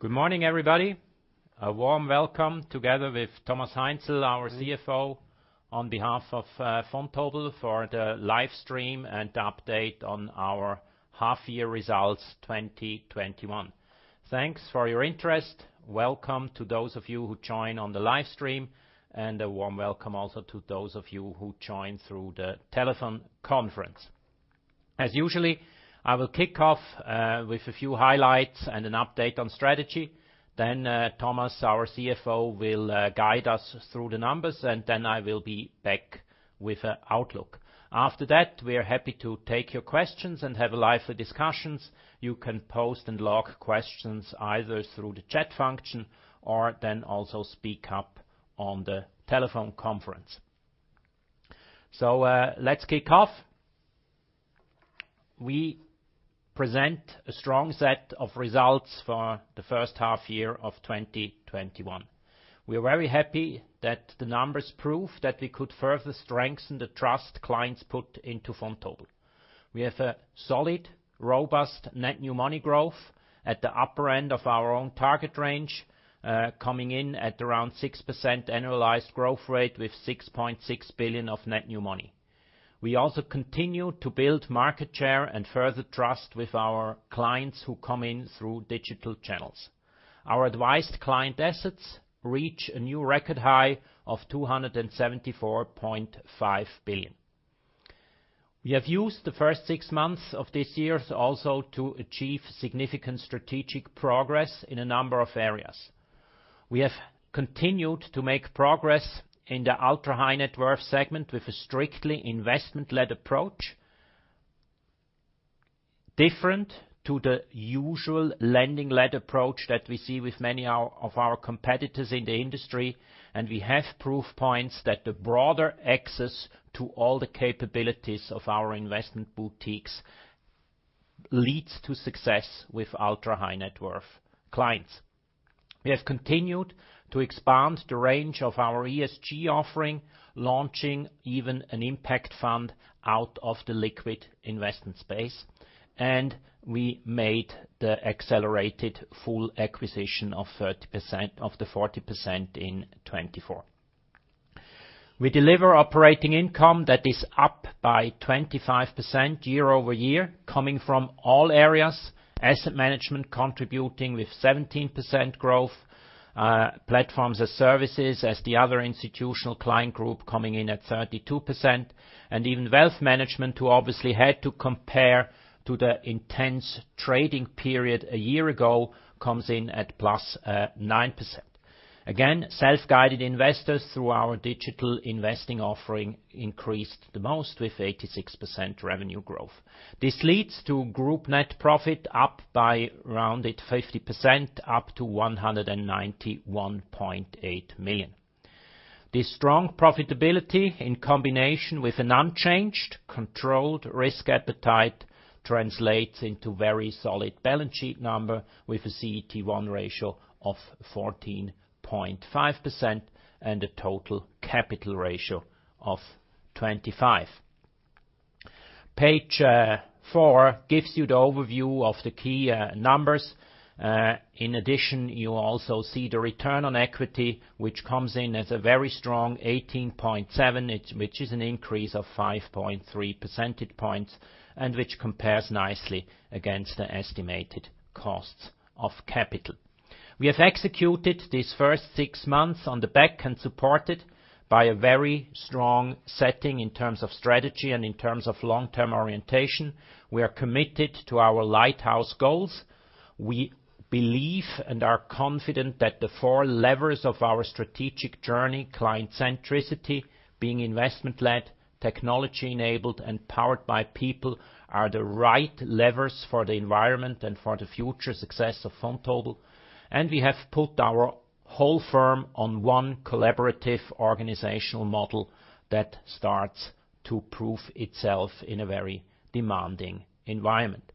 Good morning, everybody. A warm welcome together with Thomas Heinzl, our CFO, on behalf of Vontobel for the live stream and update on our half year results 2021. Thanks for your interest. Welcome to those of you who join on the live stream, and a warm welcome also to those of you who join through the telephone conference. As usually, I will kick off with a few highlights and an update on strategy. Then Thomas, our CFO, will guide us through the numbers, and then I will be back with an outlook. After that, we are happy to take your questions and have lively discussions. You can post and log questions either through the chat function or then also speak up on the telephone conference. Let's kick off. We present a strong set of results for the first half year of 2021. We are very happy that the numbers prove that we could further strengthen the trust clients put into Vontobel. We have a solid, robust net new money growth at the upper end of our own target range, coming in at around 6% annualized growth rate with 6.6 billion of net new money. We also continue to build market share and further trust with our clients who come in through digital channels. Our advised client assets reach a new record high of 274.5 billion. We have used the first six months of this year also to achieve significant strategic progress in a number of areas. We have continued to make progress in the ultra-high net worth segment with a strictly investment-led approach, different to the usual lending-led approach that we see with many of our competitors in the industry. We have proof points that the broader access to all the capabilities of our investment boutiques leads to success with ultra-high net worth clients. We have continued to expand the range of our ESG offering, launching even an impact fund out of the liquid investment space, and we made the accelerated full acquisition of 30% of the 40% in Twenty Four. We deliver operating income that is up by 25% year-over-year, coming from all areas, asset management contributing with 17% growth, platforms as services as the other institutional client group coming in at 32%. Even wealth management, who obviously had to compare to the intense trading period a year ago, comes in at +9%. Again, self-guided investors through our digital investing offering increased the most with 86% revenue growth. This leads to group net profit up by rounded 50%, up to 191.8 million. This strong profitability, in combination with an unchanged controlled risk appetite, translates into very solid balance sheet number with a CET1 ratio of 14.5% and a total capital ratio of 25%. Page four gives you the overview of the key numbers. In addition, you also see the return on equity, which comes in as a very strong 18.7%, which is an increase of 5.3 percentage points, and which compares nicely against the estimated costs of capital. We have executed these first six months on the back and supported by a very strong setting in terms of strategy and in terms of long-term orientation. We are committed to our lighthouse goals. We believe and are confident that the four levers of our strategic journey, client centricity, being investment-led, technology-enabled, and powered by people, are the right levers for the environment and for the future success of Vontobel. We have put our whole firm on one collaborative organizational model that starts to prove itself in a very demanding environment.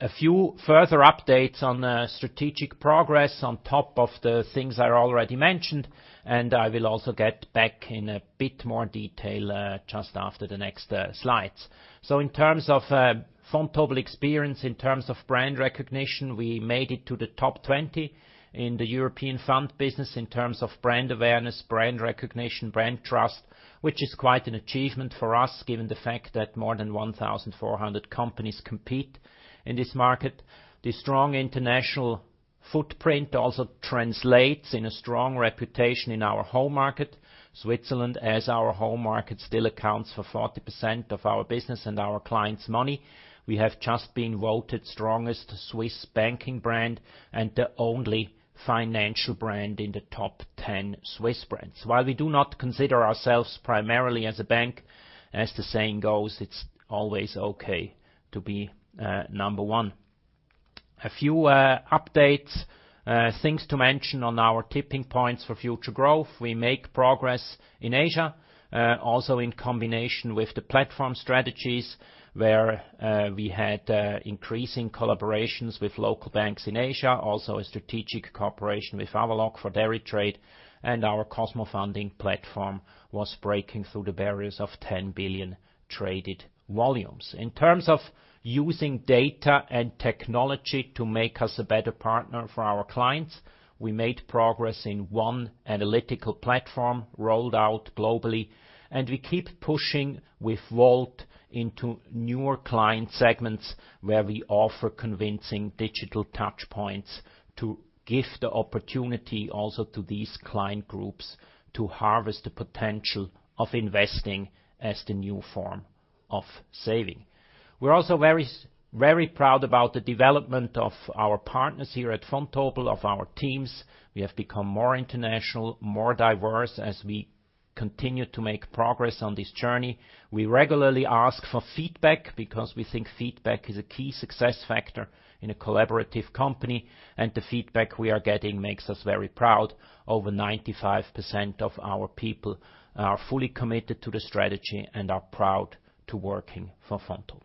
A few further updates on strategic progress on top of the things I already mentioned, and I will also get back in a bit more detail just after the next slides. In terms of Vontobel experience, in terms of brand recognition, we made it to the top 20 in the European fund business in terms of brand awareness, brand recognition, brand trust, which is quite an achievement for us given the fact that more than 1,400 companies compete in this market. The strong international footprint also translates in a strong reputation in our home market. Switzerland, as our home market, still accounts for 40% of our business and our clients' money. We have just been voted strongest Swiss banking brand and the only financial brand in the top 10 Swiss brands. While we do not consider ourselves primarily as a bank, as the saying goes, it's always okay to be number one. A few updates, things to mention on our tipping points for future growth. We make progress in Asia, also in combination with the platform strategies, where we had increasing collaborations with local banks in Asia, also a strategic cooperation with Avaloq for deritrade, and our cosmofunding platform was breaking through the barriers of 10 billion traded volumes. In terms of using data and technology to make us a better partner for our clients, we made progress in one analytical platform rolled out globally, and we keep pushing with Volt into newer client segments, where we offer convincing digital touchpoints to give the opportunity also to these client groups to harvest the potential of investing as the new form of saving. We're also very proud about the development of our partners here at Vontobel, of our teams. We have become more international, more diverse as we continue to make progress on this journey. We regularly ask for feedback because we think feedback is a key success factor in a collaborative company, and the feedback we are getting makes us very proud. Over 95% of our people are fully committed to the strategy and are proud to working for Vontobel.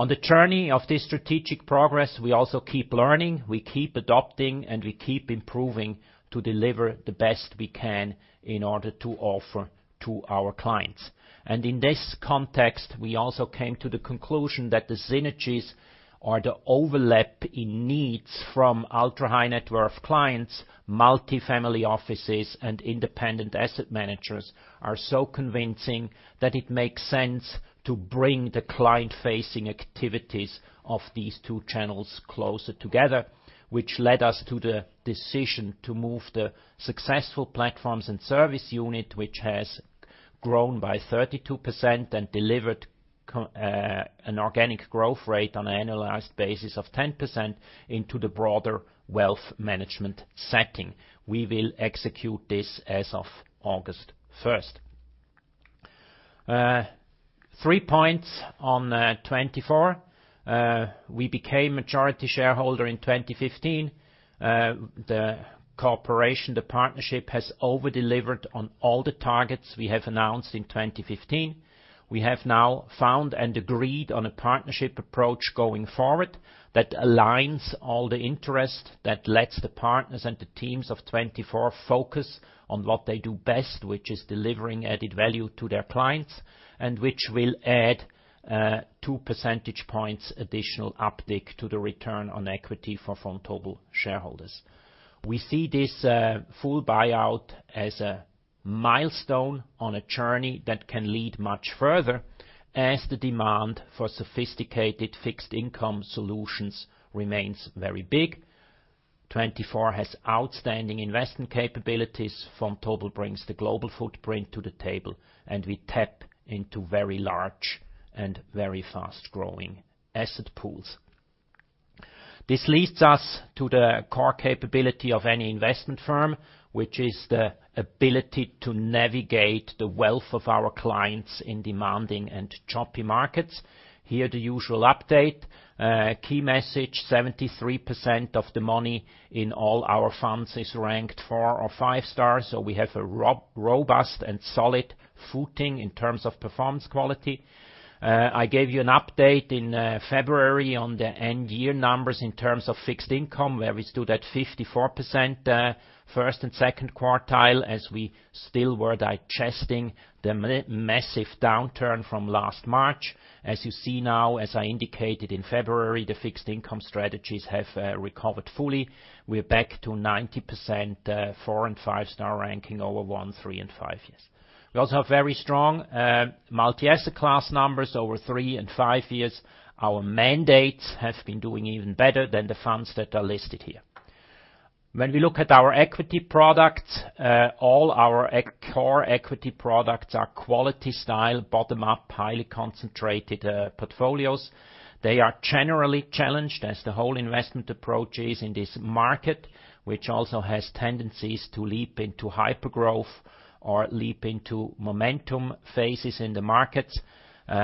On the journey of this strategic progress, we also keep learning, we keep adopting, and we keep improving to deliver the best we can in order to offer to our clients. In this context, we also came to the conclusion that the synergies or the overlap in needs from ultra-high-net-worth clients, multifamily offices, and independent asset managers are so convincing that it makes sense to bring the client-facing activities of these two channels closer together, which led us to the decision to move the successful platforms and service unit, which has grown by 32% and delivered an organic growth rate on an annualized basis of 10% into the broader wealth management setting. We will execute this as of August 1st. Three points on 24. We became majority shareholder in 2015. The cooperation, the partnership has over-delivered on all the targets we have announced in 2015. We have now found and agreed on a partnership approach going forward that aligns all the interest that lets the partners and the teams of TwentyFour focus on what they do best, which is delivering added value to their clients, and which will add two percentage points additional uptick to the return on equity for Vontobel shareholders. We see this full buyout as a milestone on a journey that can lead much further as the demand for sophisticated fixed-income solutions remains very big. TwentyFour has outstanding investment capabilities. Vontobel brings the global footprint to the table, and we tap into very large and very fast-growing asset pools. This leads us to the core capability of any investment firm, which is the ability to navigate the wealth of our clients in demanding and choppy markets. Here, the usual update. A key message, 73% of the money in all our funds is ranked four or five stars, so we have a robust and solid footing in terms of performance quality. I gave you an update in February on the end-year numbers in terms of fixed income, where we stood at 54% first and second quartile, as we still were digesting the massive downturn from last March. As you see now, as I indicated in February, the fixed income strategies have recovered fully. We're back to 90% four and five-star ranking over one, three, and five years. We also have very strong multi-asset class numbers over three and five years. Our mandates have been doing even better than the funds that are listed here. When we look at our equity products, all our core equity products are quality style, bottom-up, highly concentrated portfolios. They are generally challenged as the whole investment approach is in this market, which also has tendencies to leap into hypergrowth or leap into momentum phases in the markets. We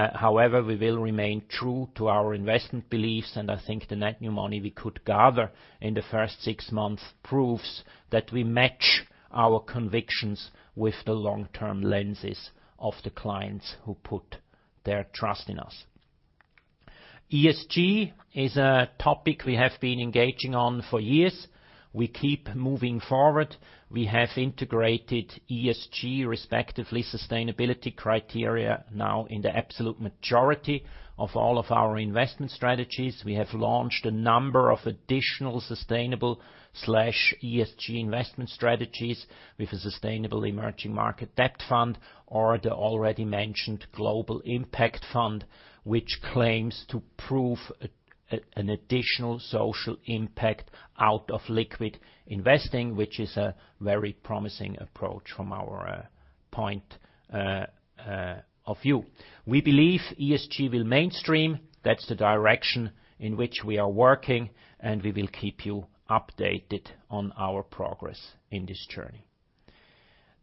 will remain true to our investment beliefs, and I think the net new money we could gather in the first six months proves that we match our convictions with the long-term lenses of the clients who put their trust in us. ESG is a topic we have been engaging on for years. We keep moving forward. We have integrated ESG, respectively, sustainability criteria now in the absolute majority of all of our investment strategies. We have launched a number of additional sustainable/ESG investment strategies with a sustainable emerging market debt fund or the already mentioned global impact fund, which claims to prove an additional social impact out of liquid investing, which is a very promising approach from our point of view. We believe ESG will mainstream. That's the direction in which we are working, and we will keep you updated on our progress in this journey.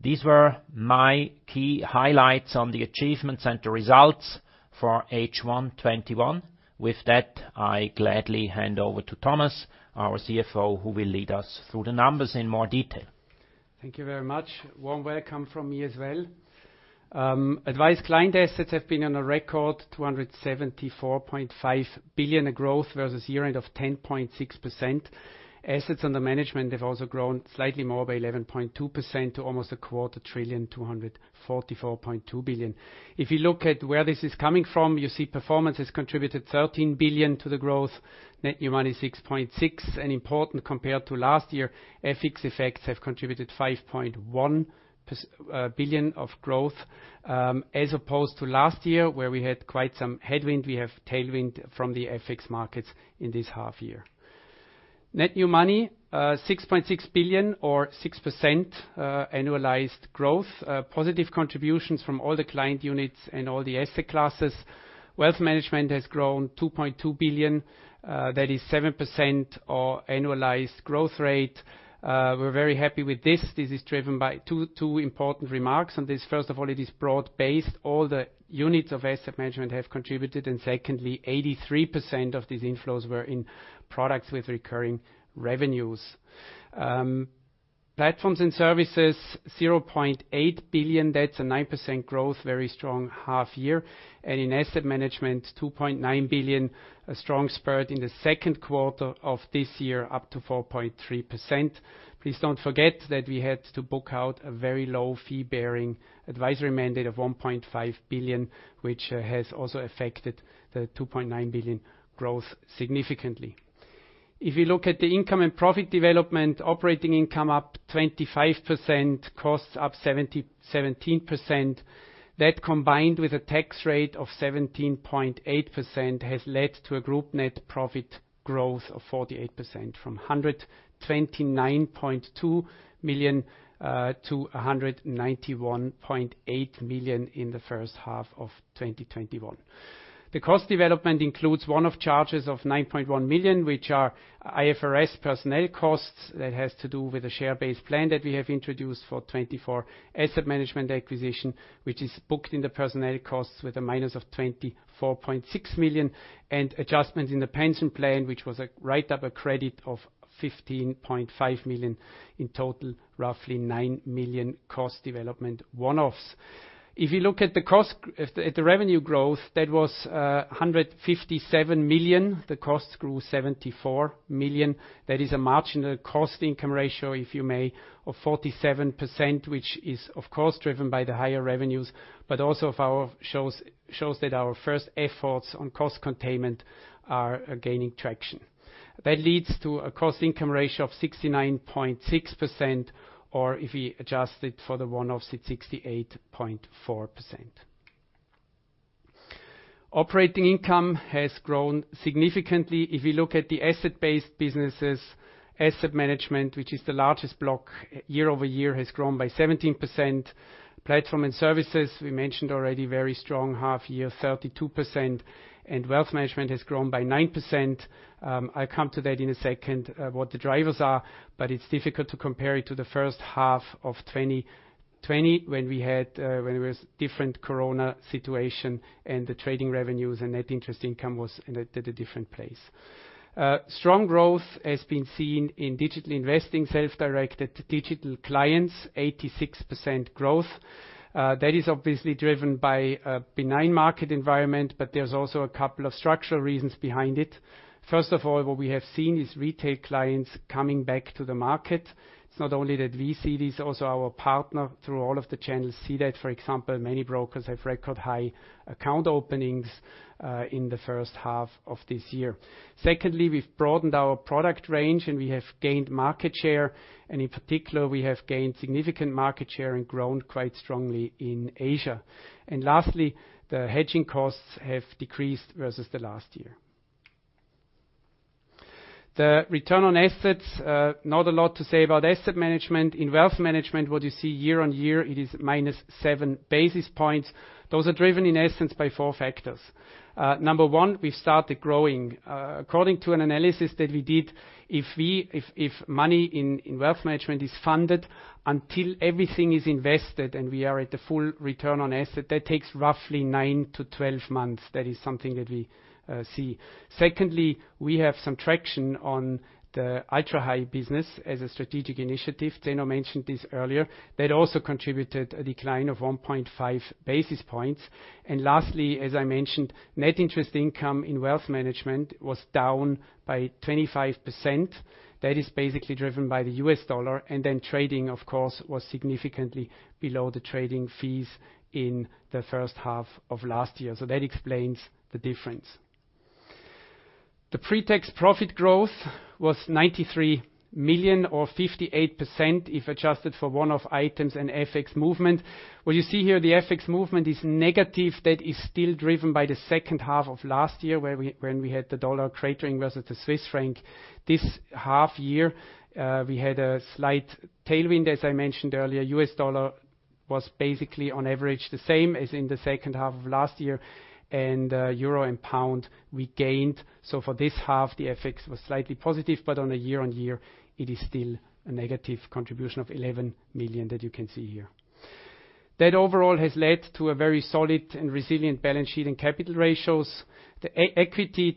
These were my key highlights on the achievements and the results for H1 2021. With that, I gladly hand over to Thomas, our CFO, who will lead us through the numbers in more detail. Thank you very much. Warm welcome from me as well. Advised client assets have been on a record 274.5 billion, a growth versus year-end of 10.6%. Assets under management have also grown slightly more by 11.2% to almost a quarter trillion, 244.2 billion. If you look at where this is coming from, you see performance has contributed 13 billion to the growth, net new money 6.6 billion. Important compared to last year, FX effects have contributed 5.1 billion of growth. As opposed to last year, where we had quite some headwind, we have tailwind from the FX markets in this half year. Net new money, 6.6 billion or 6% annualized growth. Positive contributions from all the client units and all the asset classes. Wealth management has grown 2.2 billion. That is 7% our annualized growth rate. We're very happy with this. This is driven by two important remarks on this. First of all, it is broad-based. All the units of Asset Management have contributed. Secondly, 83% of these inflows were in products with recurring revenues. Platforms and services, 0.8 billion, that's a 9% growth, very strong half year. In Asset Management, 2.9 billion, a strong spurt in the second quarter of this year up to 4.3%. Please don't forget that we had to book out a very low fee-bearing advisory mandate of 1.5 billion, which has also affected the 2.9 billion growth significantly. If you look at the income and profit development, operating income up 25%, costs up 17%. That combined with a tax rate of 17.8%, has led to a group net profit growth of 48%, from 129.2 million to 191.8 million in the first half of 2021. The cost development includes one-off charges of 9.1 million, which are IFRS personnel costs. That has to do with a share-based plan that we have introduced for TwentyFour Asset Management acquisition, which is booked in the personnel costs with a minus of 24.6 million, and adjustments in the pension plan, which was a write-up of credit of 15.5 million. In total, roughly 9 million cost development one-offs. If you look at the revenue growth, that was 157 million. The costs grew 74 million. That is a marginal cost-income ratio, if you may, of 47%, which is, of course, driven by the higher revenues, but also shows that our first efforts on cost containment are gaining traction. That leads to a cost-income ratio of 69.6%, or if we adjust it for the one-off, it's 68.4%. Operating income has grown significantly. If we look at the asset-based businesses, Asset Management, which is the largest block, year-over-year, has grown by 17%. Platform and services, we mentioned already, very strong half year, 32%, and wealth management has grown by 9%. I'll come to that in a second, what the drivers are, but it's difficult to compare it to the first half of 2020 when there was different corona situation and the trading revenues and net interest income was at a different place. Strong growth has been seen in digitally investing, self-directed digital clients, 86% growth. That is obviously driven by a benign market environment, but there's also a couple of structural reasons behind it. First of all, what we have seen is retail clients coming back to the market. It's not only that we see this, also our partner through all of the channels see that. For example, many brokers have record high account openings in the first half of this year. We've broadened our product range and we have gained market share, and in particular, we have gained significant market share and grown quite strongly in Asia. Lastly, the hedging costs have decreased versus the last year. The return on assets, not a lot to say about asset management. In wealth management, what you see year-on-year, it is -7 basis points. Those are driven in essence by four factors. Number one, we started growing. According to an analysis that we did, if money in wealth management is funded until everything is invested and we are at the full return on asset, that takes roughly nine-12 months. That is something that we see. We have some traction on the ultra-high business as a strategic initiative. Zeno Staub mentioned this earlier. That also contributed a decline of 1.5 basis points. Lastly, as I mentioned, net interest income in wealth management was down by 25%. That is basically driven by the US dollar, and then trading, of course, was significantly below the trading fees in the first half of last year. That explains the difference. The pre-tax profit growth was 93 million, or 58%, if adjusted for one-off items and FX movement. What you see here, the FX movement is negative. That is still driven by the second half of last year, when we had the dollar cratering versus the Swiss franc. This half year, we had a slight tailwind, as I mentioned earlier. US dollar was basically on average the same as in the second half of last year, and euro and pound we gained. For this half, the FX was slightly positive, but on a year-over-year, it is still a negative contribution of 11 million that you can see here. Overall has led to a very solid and resilient balance sheet and capital ratios. The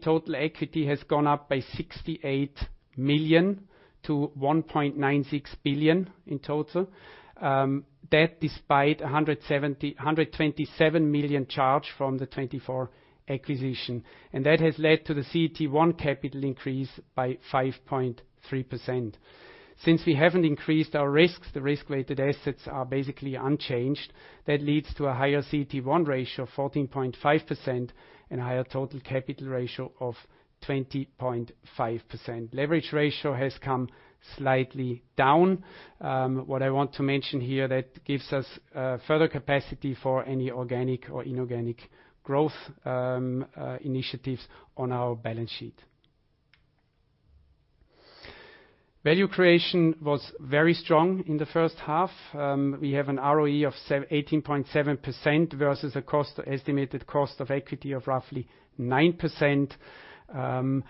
total equity has gone up by 68 million to 1.96 billion in total. Despite 127 million charge from the TwentyFour acquisition. That has led to the CET1 capital increase by 5.3%. Since we haven't increased our risks, the risk-weighted assets are basically unchanged. Leads to a higher CET1 ratio of 14.5% and a higher total capital ratio of 20.5%. Leverage ratio has come slightly down. What I want to mention here, that gives us further capacity for any organic or inorganic growth initiatives on our balance sheet. Value creation was very strong in the first half. We have an ROE of 18.7% versus estimated cost of equity of roughly 9%, and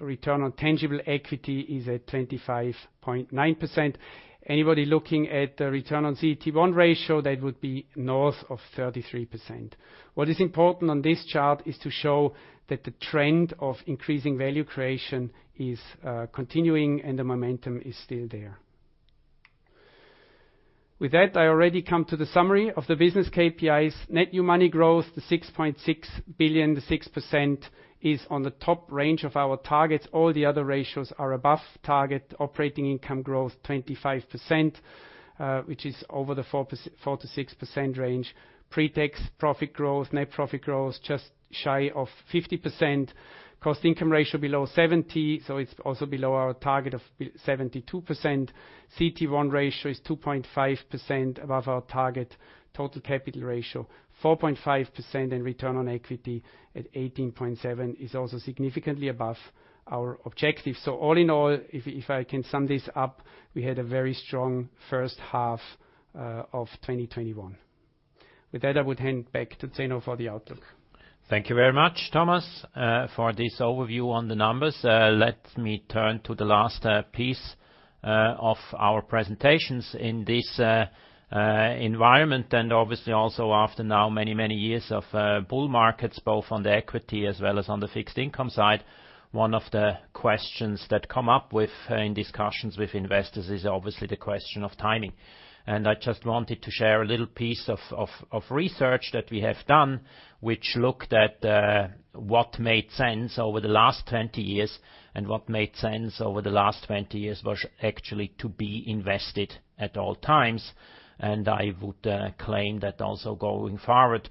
return on tangible equity is at 25.9%. Anybody looking at the return on CET1 ratio, that would be north of 33%. What is important on this chart is to show that the trend of increasing value creation is continuing and the momentum is still there. With that, I already come to the summary of the business KPIs. net new money growth, the 6.6 billion, the 6%, is on the top range of our targets. All the other ratios are above target. Operating income growth 25%, which is over the 4%-6% range. Pre-tax profit growth, net profit growth, just shy of 50%. Cost-income ratio below 70%, so it's also below our target of 72%. CET1 ratio is 2.5% above our target. Total capital ratio 4.5%, return on equity at 18.7% is also significantly above our objective. All in all, if I can sum this up, we had a very strong first half of 2021. With that, I would hand back to Zeno for the outlook. Thank you very much, Thomas, for this overview on the numbers. Let me turn to the last piece of our presentations in this environment, and obviously also after now many, many years of bull markets, both on the equity as well as on the fixed income side. One of the questions that come up in discussions with investors is obviously the question of timing. I just wanted to share a little piece of research that we have done which looked at what made sense over the last 20 years, and what made sense over the last 20 years was actually to be invested at all times. I would claim that also going forward,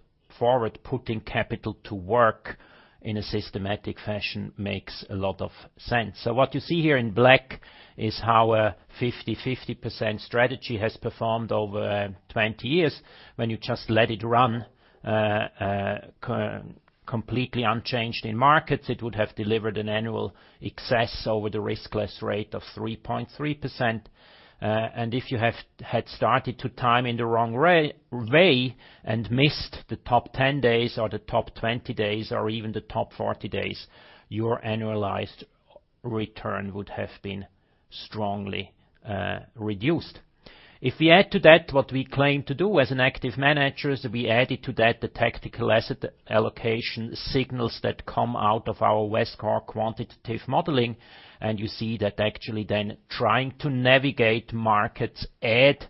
putting capital to work in a systematic fashion makes a lot of sense. What you see here in black is how a 50/50% strategy has performed over 20 years. When you just let it run completely unchanged in markets, it would have delivered an annual excess over the riskless rate of 3.3%. If you had started to time in the wrong way and missed the top 10 days or the top 20 days or even the top 40 days, your annualized return would have been strongly reduced. If we add to that what we claim to do as an active manager is we added to that the tactical asset allocation signals that come out of our Vescore quantitative modeling, you see that actually then trying to navigate markets add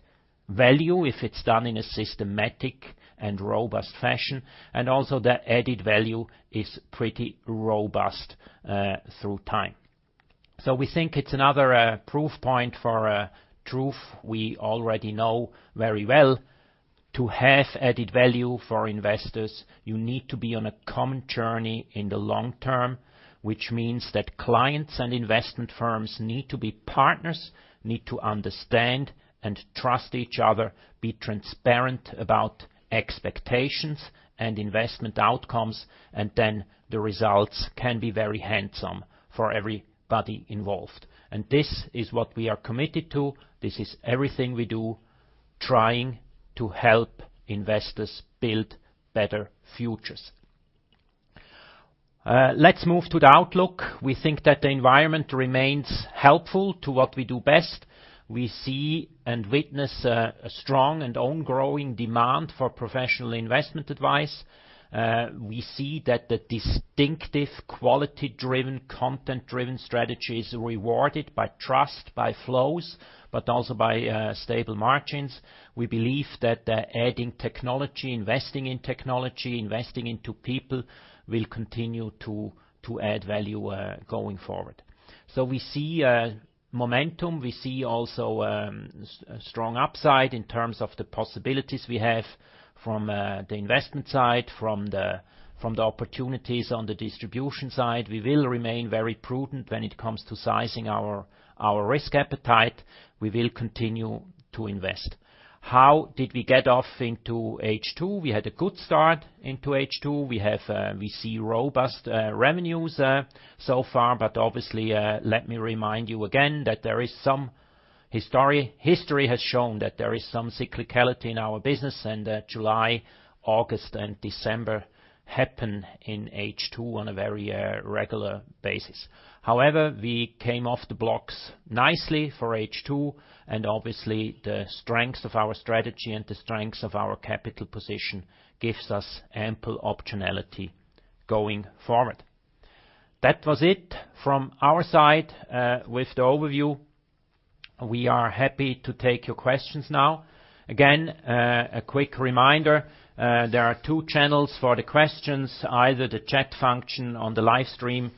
value if it's done in a systematic and robust fashion. Also the added value is pretty robust through time. We think it's another proof point for a truth we already know very well. To have added value for investors, you need to be on a common journey in the long term, which means that clients and investment firms need to be partners, need to understand and trust each other, be transparent about expectations and investment outcomes, and then the results can be very handsome for everybody involved. This is what we are committed to. This is everything we do, trying to help investors build better futures. Let's move to the outlook. We think that the environment remains helpful to what we do best. We see and witness a strong and ongoing growing demand for professional investment advice. We see that the distinctive, quality-driven, content-driven strategy is rewarded by trust, by flows, but also by stable margins. We believe that adding technology, investing in technology, investing into people will continue to add value going forward. We see momentum. We see also a strong upside in terms of the possibilities we have from the investment side, from the opportunities on the distribution side. We will remain very prudent when it comes to sizing our risk appetite. We will continue to invest. How did we get off into H2? We had a good start into H2. We see robust revenues so far. Obviously, let me remind you again that there is someHistory has shown that there is some cyclicality in our business, that July, August, and December happen in H2 on a very regular basis. We came off the blocks nicely for H2. Obviously the strength of our strategy and the strength of our capital position gives us ample optionality going forward. That was it from our side with the overview. We are happy to take your questions now. Again, a quick reminder, there are two channels for the questions, either the chat function on the live stream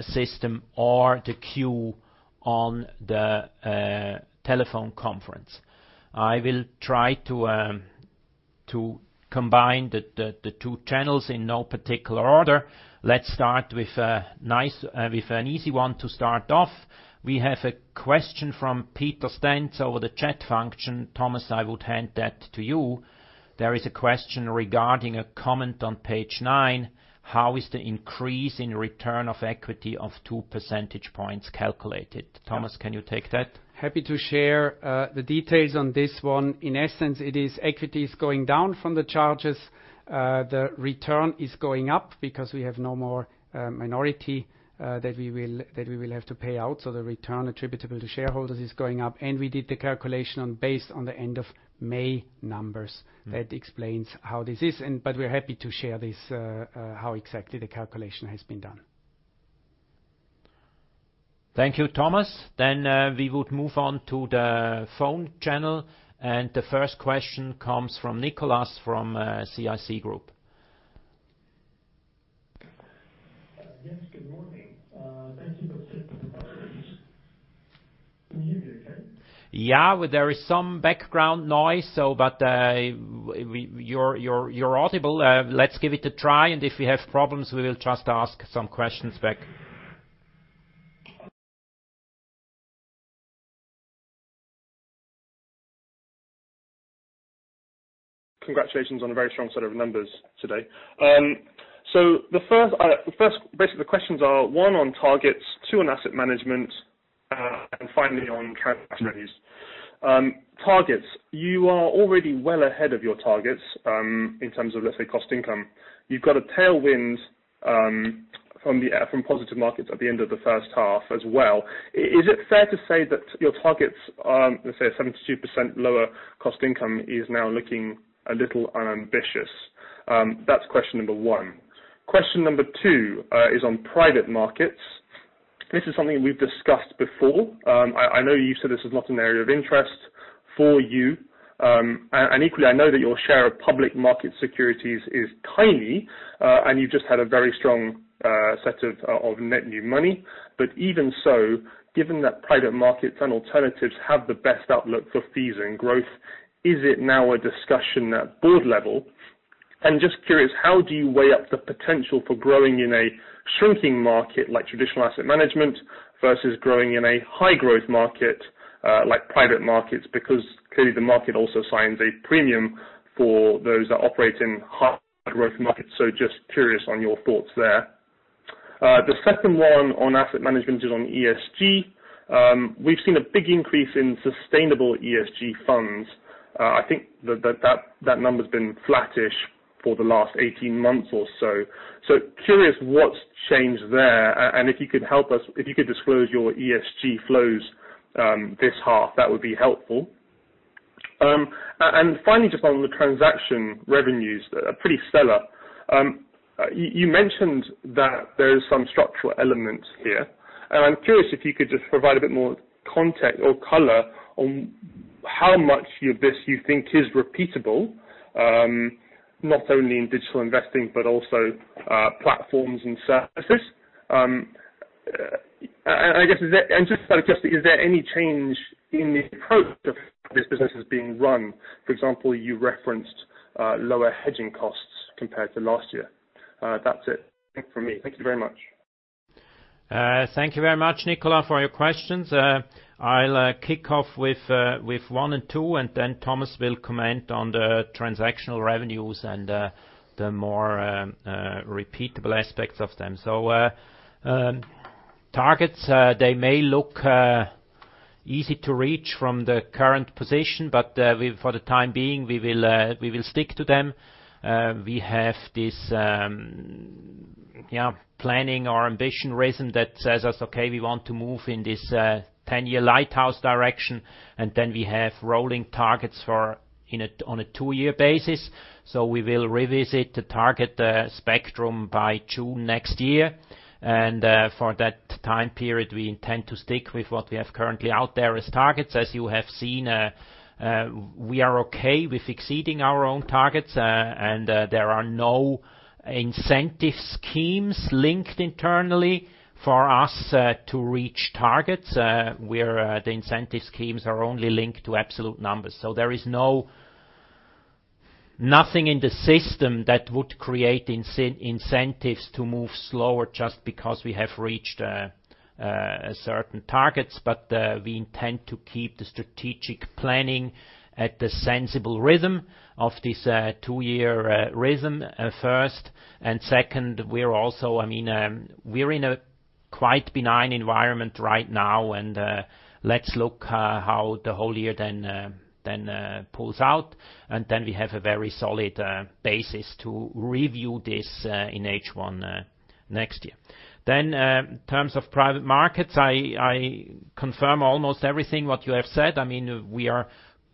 system or the queue on the telephone conference. I will try to combine the two channels in no particular order. Let's start with an easy one to start off. We have a question from Peter Stenz over the chat function. Thomas, I would hand that to you. There is a question regarding a comment on page nine. How is the increase in return of equity of 2 percentage points calculated? Thomas, can you take that? Happy to share the details on this one. In essence, it is equity is going down from the charges. The return is going up because we have no more minority that we will have to pay out. The return attributable to shareholders is going up. We did the calculation based on the end of May numbers. That explains how this is. We're happy to share how exactly the calculation has been done. Thank you, Thomas. We would move on to the phone channel. The first question comes from Nicholas from CIC Group. Yeah. There is some background noise, but you're audible. Let's give it a try, and if we have problems, we will just ask some questions back. Congratulations on a very strong set of numbers today. Basically, the questions are, one on targets, two on asset management, and finally on transaction fees. Targets, you are already well ahead of your targets in terms of, let's say, cost income. You've got a tailwind from positive markets at the end of the first half as well. Is it fair to say that your targets are, let's say, 72% lower cost income is now looking a little unambitious? That's question number one. Question number two is on private markets. This is something we've discussed before. I know you've said this is not an area of interest for you. Equally, I know that your share of public market securities is tiny, and you've just had a very strong set of net new money. Given that private markets and alternatives have the best outlook for fees and growth, is it now a discussion at board level? Just curious, how do you weigh up the potential for growing in a shrinking market like traditional asset management versus growing in a high growth market like private markets? Clearly the market also assigns a premium for those that operate in high growth markets. Just curious on your thoughts there. The second one on asset management is on ESG. We've seen a big increase in sustainable ESG funds. I think that number's been flattish for the last 18 months or so. Curious what's changed there, and if you could disclose your ESG flows this half, that would be helpful. Finally, just on the transaction revenues, pretty stellar. You mentioned that there is some structural elements here, and I'm curious if you could just provide a bit more context or color on how much of this you think is repeatable, not only in digital investing, but also platforms and services. Just, is there any change in the approach of how this business is being run? For example, you referenced lower hedging costs compared to last year. That's it from me. Thank you very much. Thank you very much, Nicholas, for your questions. I'll kick off with one and two, and then Thomas will comment on the transactional revenues and the more repeatable aspects of them. Targets, they may look easy to reach from the current position, but for the time being, we will stick to them. We have this planning or ambition rhythm that says us, okay, we want to move in this 10-year lighthouse direction, and then we have rolling targets on a two-year basis. We will revisit the target spectrum by June next year. For that time period, we intend to stick with what we have currently out there as targets. As you have seen, we are okay with exceeding our own targets, and there are no incentive schemes linked internally for us to reach targets, where the incentive schemes are only linked to absolute numbers. There is nothing in the system that would create incentives to move slower just because we have reached certain targets. We intend to keep the strategic planning at the sensible rhythm of this two-year rhythm first. Second, we're in a quite benign environment right now, and let's look how the whole year then pulls out, and then we have a very solid basis to review this in H1 next year. In terms of private markets, I confirm almost everything what you have said. We are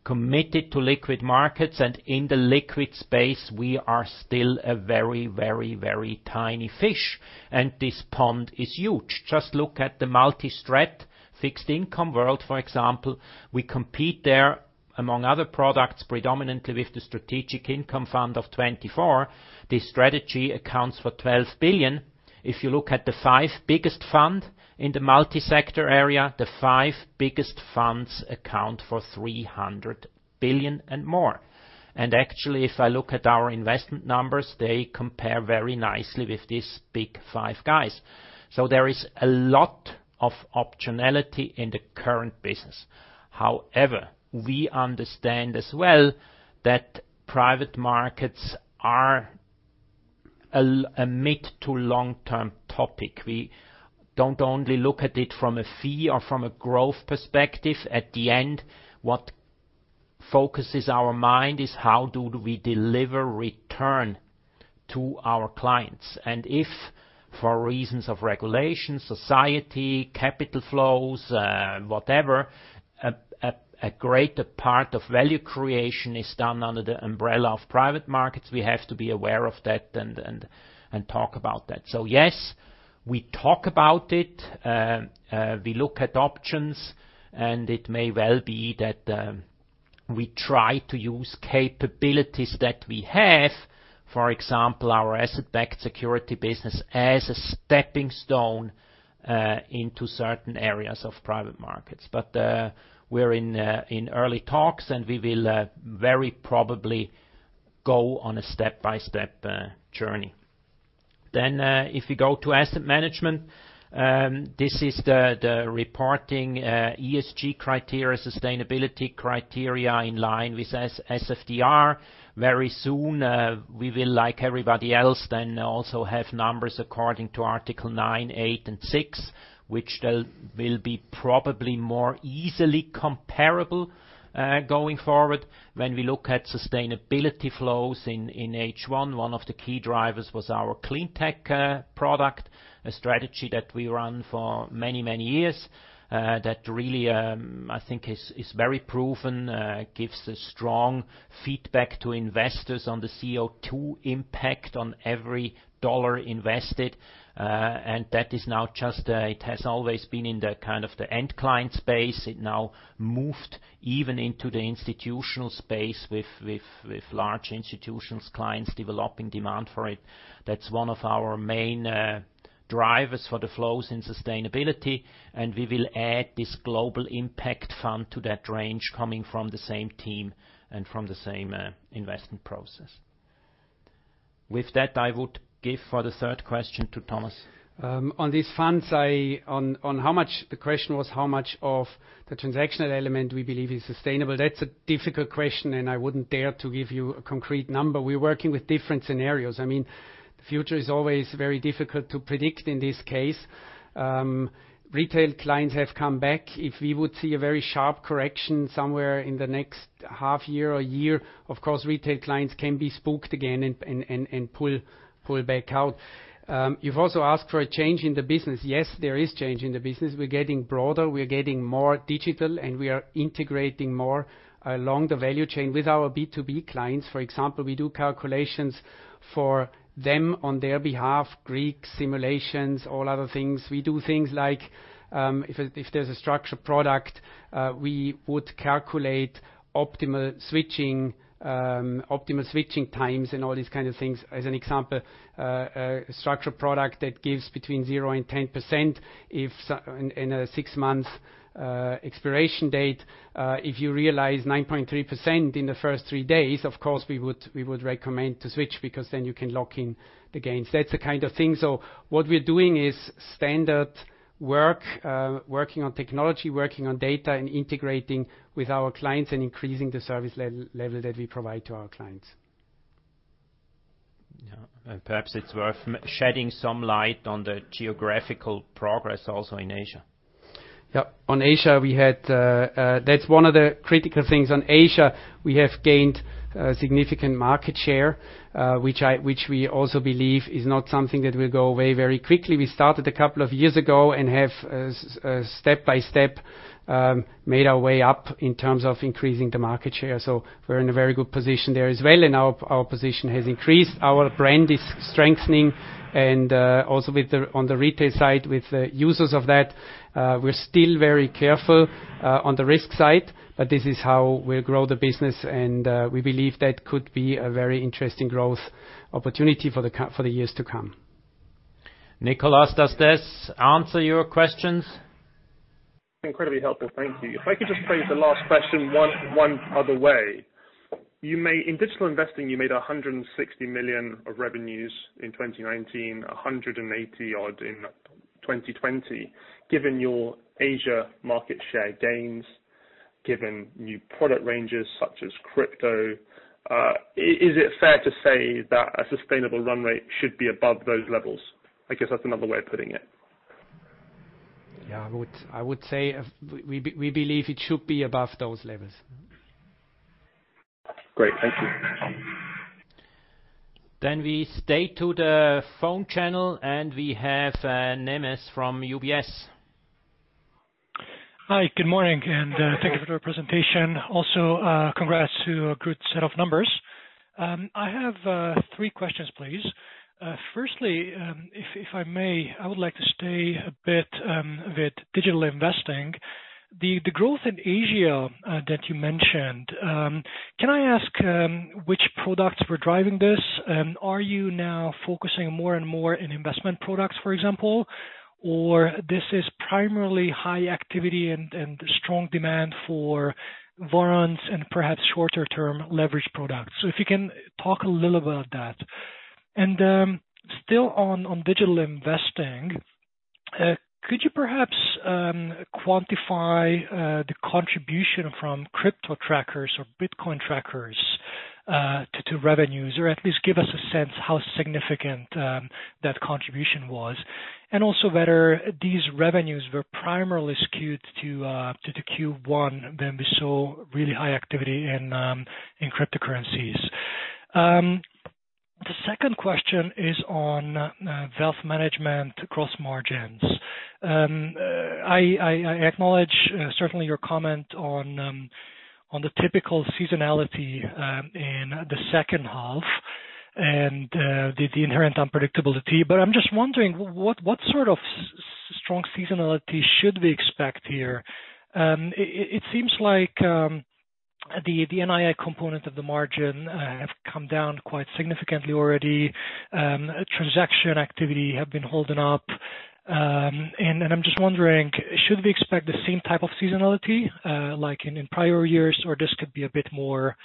committed to liquid markets, and in the liquid space, we are still a very tiny fish, and this pond is huge. Just look at the multi-strat fixed income world, for example. We compete there, among other products, predominantly with the strategic income fund of '24. This strategy accounts for 12 billion. If you look at the five biggest fund in the multi-sector area, the five biggest funds account for 300 billion and more. Actually, if I look at our investment numbers, they compare very nicely with these big five guys. There is a lot of optionality in the current business. However, we understand as well that private markets are a mid to long-term topic. We don't only look at it from a fee or from a growth perspective. At the end, what focuses our mind is how do we deliver return to our clients? If, for reasons of regulation, society, capital flows, whatever, a greater part of value creation is done under the umbrella of private markets, we have to be aware of that and talk about that. Yes, we talk about it. We look at options, and it may well be that we try to use capabilities that we have. For example, our asset-backed security business as a stepping stone into certain areas of private markets. We're in early talks, and we will very probably go on a step-by-step journey. If we go to asset management, this is the reporting ESG criteria, sustainability criteria in line with SFDR. Very soon, we will, like everybody else then, also have numbers according to Article 9, 8, and 6, which will be probably more easily comparable going forward. When we look at sustainability flows in H1, one of the key drivers was our Clean Tech product, a strategy that we run for many years, that really, I think, is very proven, gives a strong feedback to investors on the CO2 impact on every CHF invested. It has always been in the end client space. It now moved even into the institutional space with large institutions, clients developing demand for it. That's one of our main drivers for the flows in sustainability, and we will add this global impact fund to that range, coming from the same team and from the same investment process. With that, I would give for the third question to Thomas. On these funds, the question was how much of the transactional element we believe is sustainable. That's a difficult question, and I wouldn't dare to give you a concrete number. We're working with different scenarios. The future is always very difficult to predict in this case. Retail clients have come back. If we would see a very sharp correction somewhere in the next half year or year, of course, retail clients can be spooked again and pull back out. You've also asked for a change in the business. Yes, there is change in the business. We're getting broader, we're getting more digital, and we are integrating more along the value chain with our B2B clients. For example, we do calculations for them on their behalf, Greeks simulations, all other things. We do things like, if there's a structured product, we would calculate optimal switching times and all these kind of things. As an example, a structured product that gives between zero and 10% in a six-month expiration date. If you realize 9.3% in the first three days, of course, we would recommend to switch because then you can lock in the gains. That's the kind of thing. What we're doing is standard work, working on technology, working on data, and integrating with our clients, and increasing the service level that we provide to our clients. Yeah. Perhaps it's worth shedding some light on the geographical progress also in Asia. Yeah. That's one of the critical things. Asia, we have gained significant market share, which we also believe is not something that will go away very quickly. We started a couple of years ago and have, step by step, made our way up in terms of increasing the market share. We're in a very good position there as well, and our position has increased. Our brand is strengthening and also on the retail side with users of that. We're still very careful on the risk side, this is how we'll grow the business, and we believe that could be a very interesting growth opportunity for the years to come. Nicolas, does this answer your questions? Incredibly helpful. Thank you. If I could just phrase the last question one other way. In digital investing, you made 160 million of revenues in 2019, 180 odd in 2020. Given your Asia market share gains, given new product ranges such as crypto, is it fair to say that a sustainable run rate should be above those levels? I guess that's another way of putting it. Yeah. I would say, we believe it should be above those levels. Great. Thank you. We stay to the phone channel, and we have Nemes from UBS. Hi, good morning, and thank you for the presentation. Also, congrats to a good set of numbers. I have three questions, please. Firstly, if I may, I would like to stay a bit with digital investing. The growth in Asia that you mentioned, can I ask which products were driving this? Are you now focusing more and more on investment products, for example? Or this is primarily high activity and strong demand for warrants and perhaps shorter-term leverage products? If you can talk a little about that. Still on digital investing, could you perhaps quantify the contribution from crypto trackers or Bitcoin trackers to revenues, or at least give us a sense how significant that contribution was? Also whether these revenues were primarily skewed to the Q1 when we saw really high activity in cryptocurrencies. The second question is on wealth management gross margins. I acknowledge certainly your comment on the typical seasonality in the second half and the inherent unpredictability. I'm just wondering, what sort of strong seasonality should we expect here? It seems like the NII component of the margin have come down quite significantly already. Transaction activity have been holding up. I'm just wondering, should we expect the same type of seasonality like in prior years or this could be a bit more,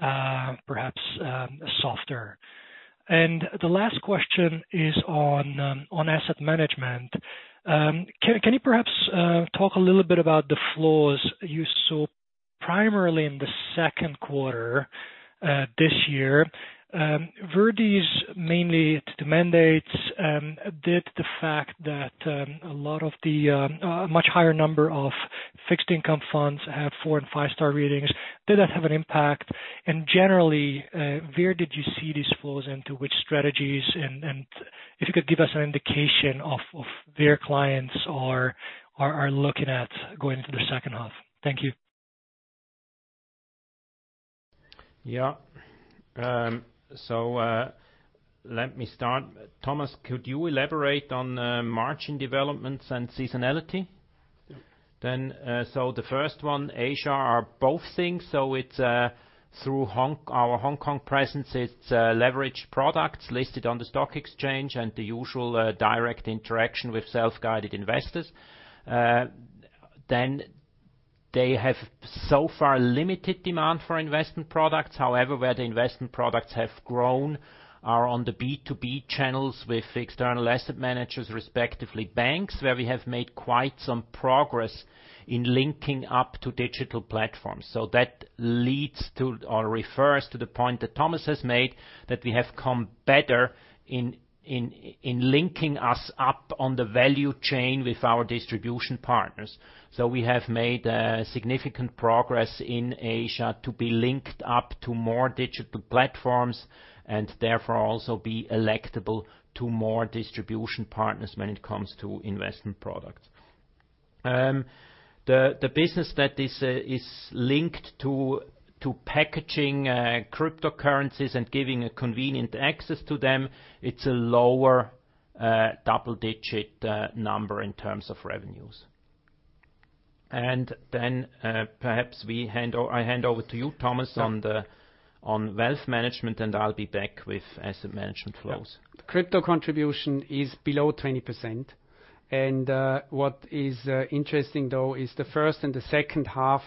perhaps, softer? The last question is on asset management. Can you perhaps talk a little bit about the flows you saw primarily in the second quarter this year? Were these mainly the mandates, did the fact that a much higher number of fixed income funds had four and five-star ratings, did that have an impact? Generally, where did you see these flows and to which strategies? If you could give us an indication of where clients are looking at going into the second half. Thank you. Yeah. Let me start. Thomas, could you elaborate on margin developments and seasonality? The first one, Asia are both things. It's through our Hong Kong presence, it's leverage products listed on the stock exchange and the usual direct interaction with self-guided investors. They have so far limited demand for investment products. However, where the investment products have grown are on the B2B channels with external asset managers, respectively, banks, where we have made quite some progress in linking up to digital platforms. That leads to or refers to the point that Thomas has made that we have come better in linking us up on the value chain with our distribution partners. We have made significant progress in Asia to be linked up to more digital platforms, and therefore, also be electable to more distribution partners when it comes to investment products. The business that is linked to packaging cryptocurrencies and giving a convenient access to them, it's a lower double-digit number in terms of revenues. Perhaps I hand over to you, Thomas, on wealth management, and I'll be back with asset management flows. Crypto contribution is below 20%. What is interesting, though, is the first and the second half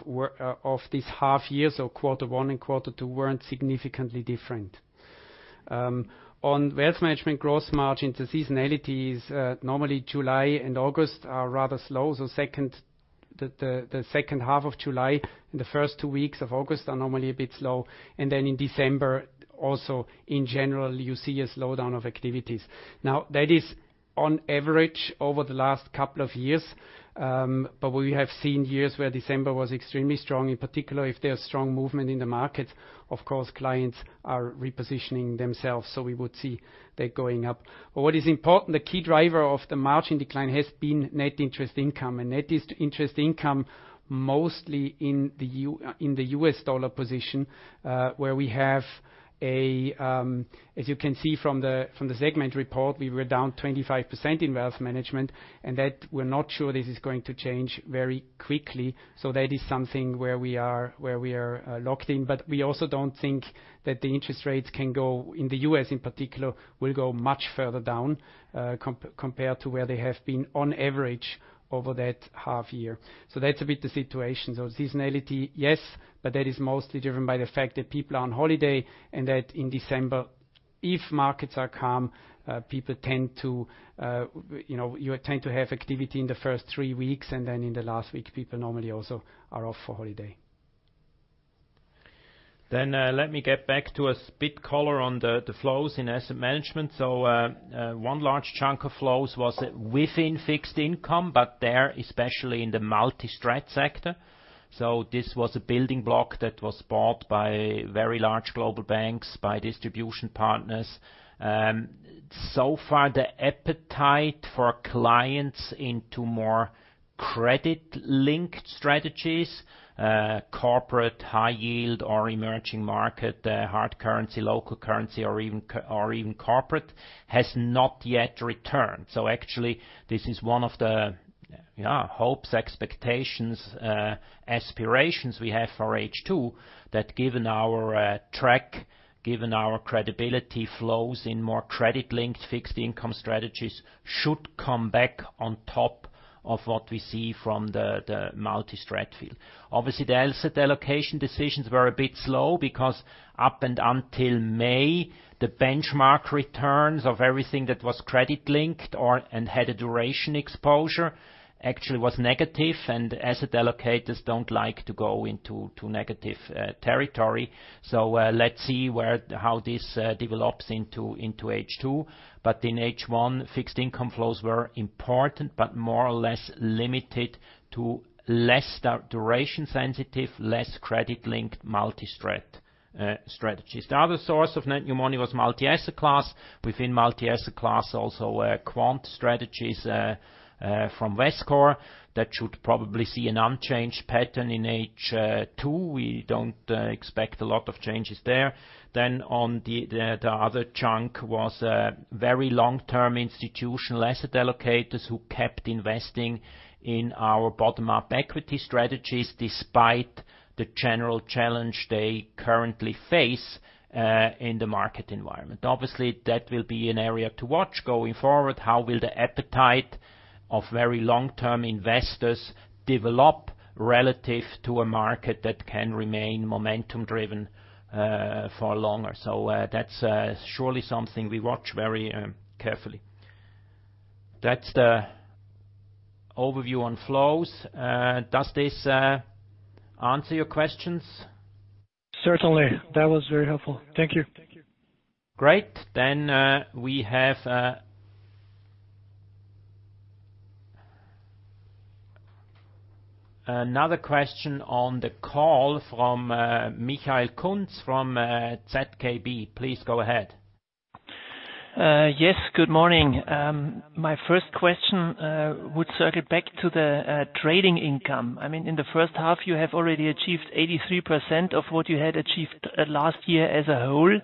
of this half year, so quarter one and quarter two, weren't significantly different. On wealth management gross margin, the seasonality is normally July and August are rather slow. The second half of July and the first two weeks of August are normally a bit slow. In December, also in general, you see a slowdown of activities. That is on average over the last couple of years. We have seen years where December was extremely strong, in particular, if there's strong movement in the market, of course, clients are repositioning themseves, we would see that going up. What is important, the key driver of the margin decline has been net interest income, and net interest income mostly in the US $ position, where we have, as you can see from the segment report, we were down 25% in wealth management, and that we're not sure this is going to change very quickly. That is something where we are locked in. We also don't think that the interest rates can go, in the U.S. in particular, will go much further down compared to where they have been on average over that half year. That's a bit the situation. Seasonality, yes, but that is mostly driven by the fact that people are on holiday and that in December. If markets are calm, you tend to have activity in the first three weeks, and then in the last week, people normally also are off for holiday. Let me get back to a bit color on the flows in asset management. One large chunk of flows was within fixed income, but there, especially in the multi-strat sector. This was a building block that was bought by very large global banks, by distribution partners. Far, the appetite for clients into more credit-linked strategies, corporate high yield or emerging market, hard currency, local currency, or even corporate, has not yet returned. Actually, this is one of the hopes, expectations, aspirations we have for H2, that given our track, given our credibility, flows in more credit-linked fixed income strategies should come back on top of what we see from the multi-strat field. Obviously, the asset allocation decisions were a bit slow because up and until May, the benchmark returns of everything that was credit-linked and had a duration exposure actually was negative, and asset allocators don't like to go into negative territory. Let's see how this develops into H2. In H1, fixed income flows were important, but more or less limited to less duration sensitive, less credit-linked multi-strat strategies. The other source of net new money was multi-asset class. Within multi-asset class, also quant strategies from Vescore. That should probably see an unchanged pattern in H2. We don't expect a lot of changes there. The other chunk was very long-term institutional asset allocators who kept investing in our bottom-up equity strategies despite the general challenge they currently face in the market environment. Obviously, that will be an area to watch going forward. How will the appetite of very long-term investors develop relative to a market that can remain momentum-driven for longer? That's surely something we watch very carefully. That's the overview on flows. Does this answer your questions? Certainly. That was very helpful. Thank you. Great. We have another question on the call from Michael Kunz from ZKB. Please go ahead. Yes, good morning. My first question would circle back to the trading income. In the first half, you have already achieved 83% of what you had achieved last year as a whole.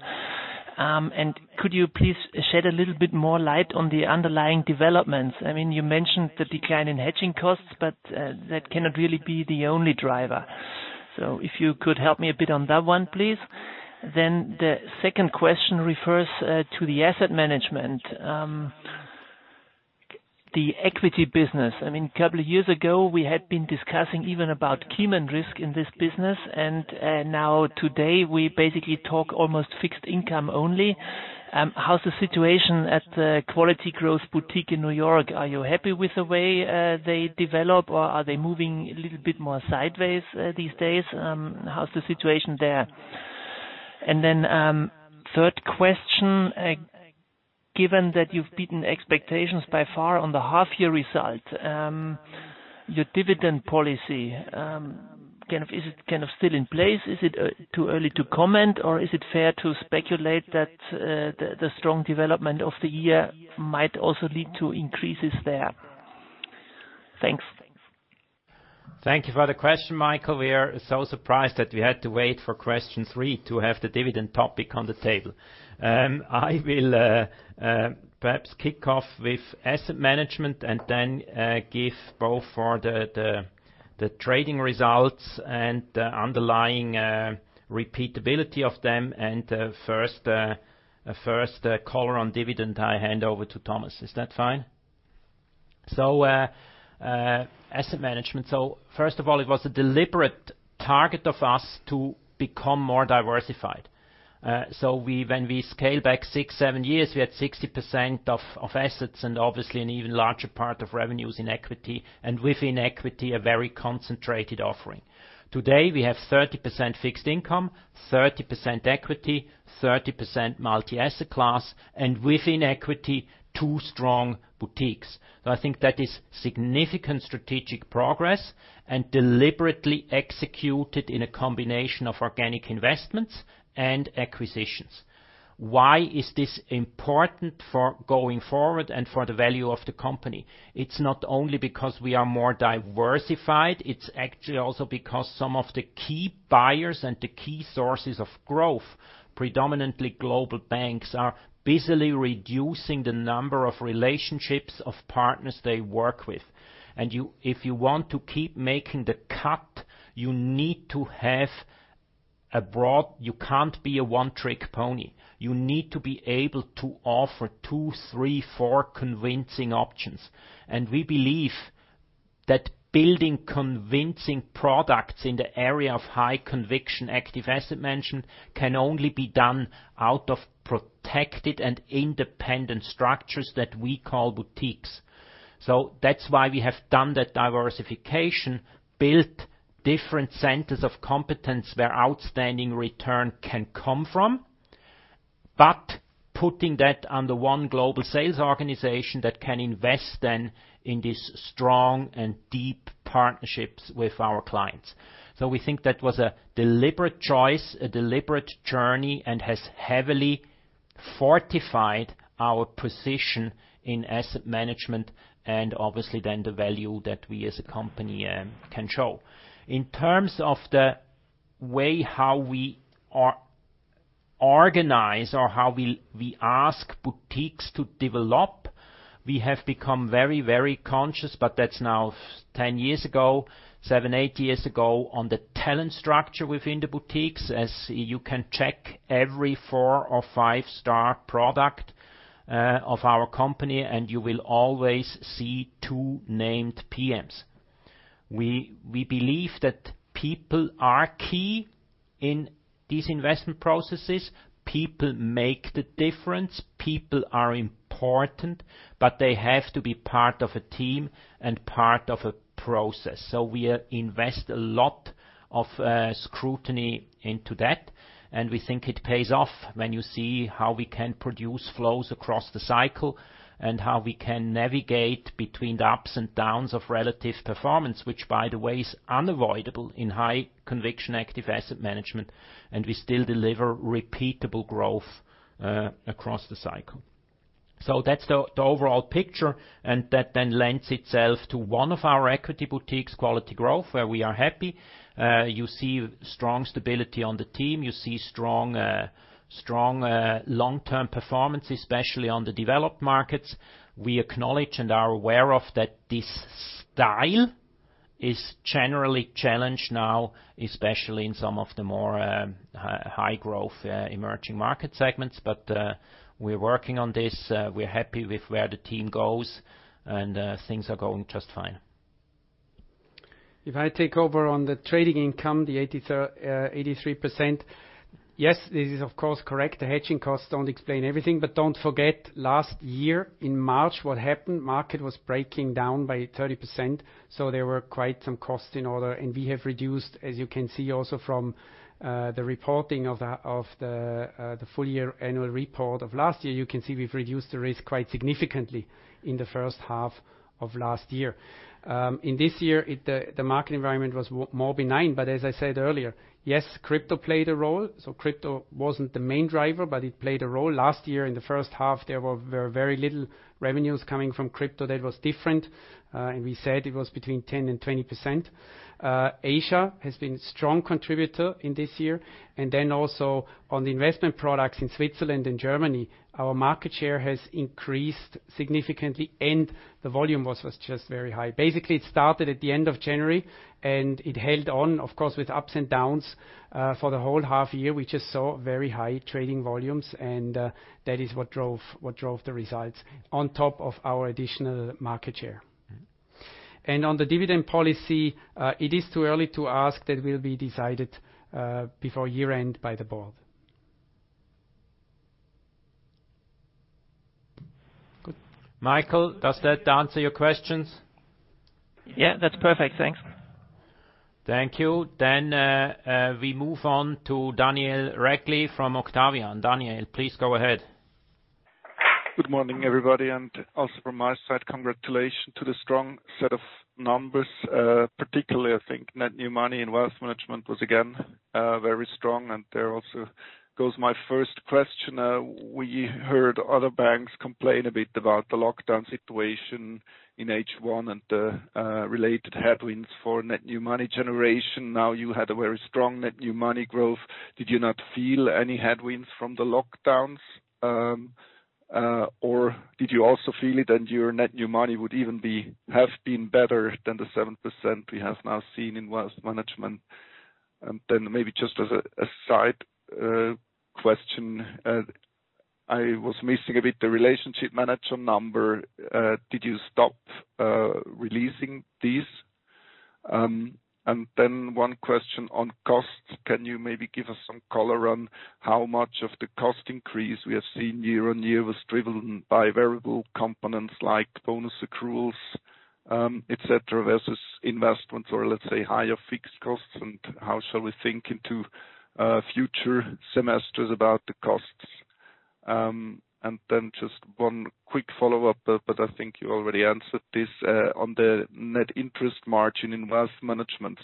Could you please shed a little bit more light on the underlying developments? You mentioned the decline in hedging costs, but that cannot really be the only driver. If you could help me a bit on that one, please. The second question refers to the asset management. The equity business. A couple of years ago, we had been discussing even about keyman risk in this business, and now today, we basically talk almost fixed income only. How's the situation at the Quality Growth Boutique in New York? Are you happy with the way they develop, or are they moving a little bit more sideways these days? How's the situation there? Third question, given that you've beaten expectations by far on the half-year result, your dividend policy, is it still in place? Is it too early to comment, or is it fair to speculate that the strong development of the year might also lead to increases there? Thanks. Thank you for the question, Michael. We are so surprised that we had to wait for question three to have the dividend topic on the table. I will perhaps kick off with asset management and then give both for the trading results and the underlying repeatability of them, and first color on dividend, I hand over to Thomas. Is that fine? Asset management. First of all, it was a deliberate target of us to become more diversified. When we scale back six, seven years, we had 60% of assets and obviously an even larger part of revenues in equity, and within equity, a very concentrated offering. Today, we have 30% fixed income, 30% equity, 30% multi-asset class, and within equity, two strong boutiques. I think that is significant strategic progress and deliberately executed in a combination of organic investments and acquisitions. Why is this important for going forward and for the value of the company? It's not only because we are more diversified, it's actually also because some of the key buyers and the key sources of growth, predominantly global banks, are busily reducing the number of relationships of partners they work with. If you want to keep making the cut, you can't be a one-trick pony. You need to be able to offer two, three, four convincing options. We believe that building convincing products in the area of high conviction active asset management can only be done out of protected and independent structures that we call boutiques. That's why we have done that diversification, built different centers of competence where outstanding return can come from, but putting that under one global sales organization that can invest then in these strong and deep partnerships with our clients. We think that was a deliberate choice, a deliberate journey, and has heavily fortified our position in asset management and obviously then the value that we as a company can show. In terms of the way how we organize or how we ask boutiques to develop, we have become very, very conscious, but that's now 10 years ago, seven, eight years ago, on the talent structure within the boutiques. As you can check every fiour or five-star product of our company, and you will always see two named PMs. We believe that people are key in these investment processes. People make the difference. People are important, but they have to be part of a team and part of a process. We invest a lot of scrutiny into that, and we think it pays off when you see how we can produce flows across the cycle and how we can navigate between the ups and downs of relative performance, which by the way, is unavoidable in high-conviction active asset management, and we still deliver repeatable growth across the cycle. That's the overall picture, and that then lends itself to one of our equity boutiques, Quality Growth, where we are happy. You see strong stability on the team. You see strong long-term performance, especially on the developed markets. We acknowledge and are aware of that this style is generally challenged now, especially in some of the more high-growth emerging market segments. We're working on this. We're happy with where the team goes, and things are going just fine. If I take over on the trading income, the 83%. Yes, this is of course correct. The hedging costs don't explain everything. Don't forget, last year in March, what happened, market was breaking down by 30%. There were quite some costs in order. We have reduced, as you can see also from the reporting of the full-year annual report of last year, you can see we've reduced the risk quite significantly in the first half of last year. In this year, the market environment was more benign. As I said earlier, yes, crypto played a role. crypto wasn't the main driver. It played a role. Last year in the first half, there were very little revenues coming from crypto. That was different. We said it was between 10% and 20%. Asia has been strong contributor in this year. Also on the investment products in Switzerland and Germany, our market share has increased significantly, and the volume was just very high. Basically, it started at the end of January, and it held on, of course, with ups and downs, for the whole half year. We just saw very high trading volumes, and that is what drove the results on top of our additional market share. On the dividend policy, it is too early to ask. That will be decided before year-end by the board. Michael, does that answer your questions? Yeah, that's perfect. Thanks. Thank you. We move on to Daniel Regli from Octavian. Daniel, please go ahead. Good morning, everybody, and also from my side, congratulations to the strong set of numbers. Particularly, I think net new money in wealth management was again very strong, and there also goes my first question. We heard other banks complain a bit about the lockdown situation in H1 and the related headwinds for net new money generation. Now you had a very strong net new money growth. Did you not feel any headwinds from the lockdowns? Did you also feel it and your net new money would even have been better than the 7% we have now seen in wealth management? Then maybe just as a side question, I was missing a bit the relationship management number. Did you stop releasing these? One question on costs. Can you maybe give us some color on how much of the cost increase we have seen year on year was driven by variable components like bonus accruals, et cetera, versus investments or let's say, higher fixed costs, and how shall we think into future semesters about the costs? Then just one quick follow-up, but I think you already answered this, on the net interest margin in wealth management.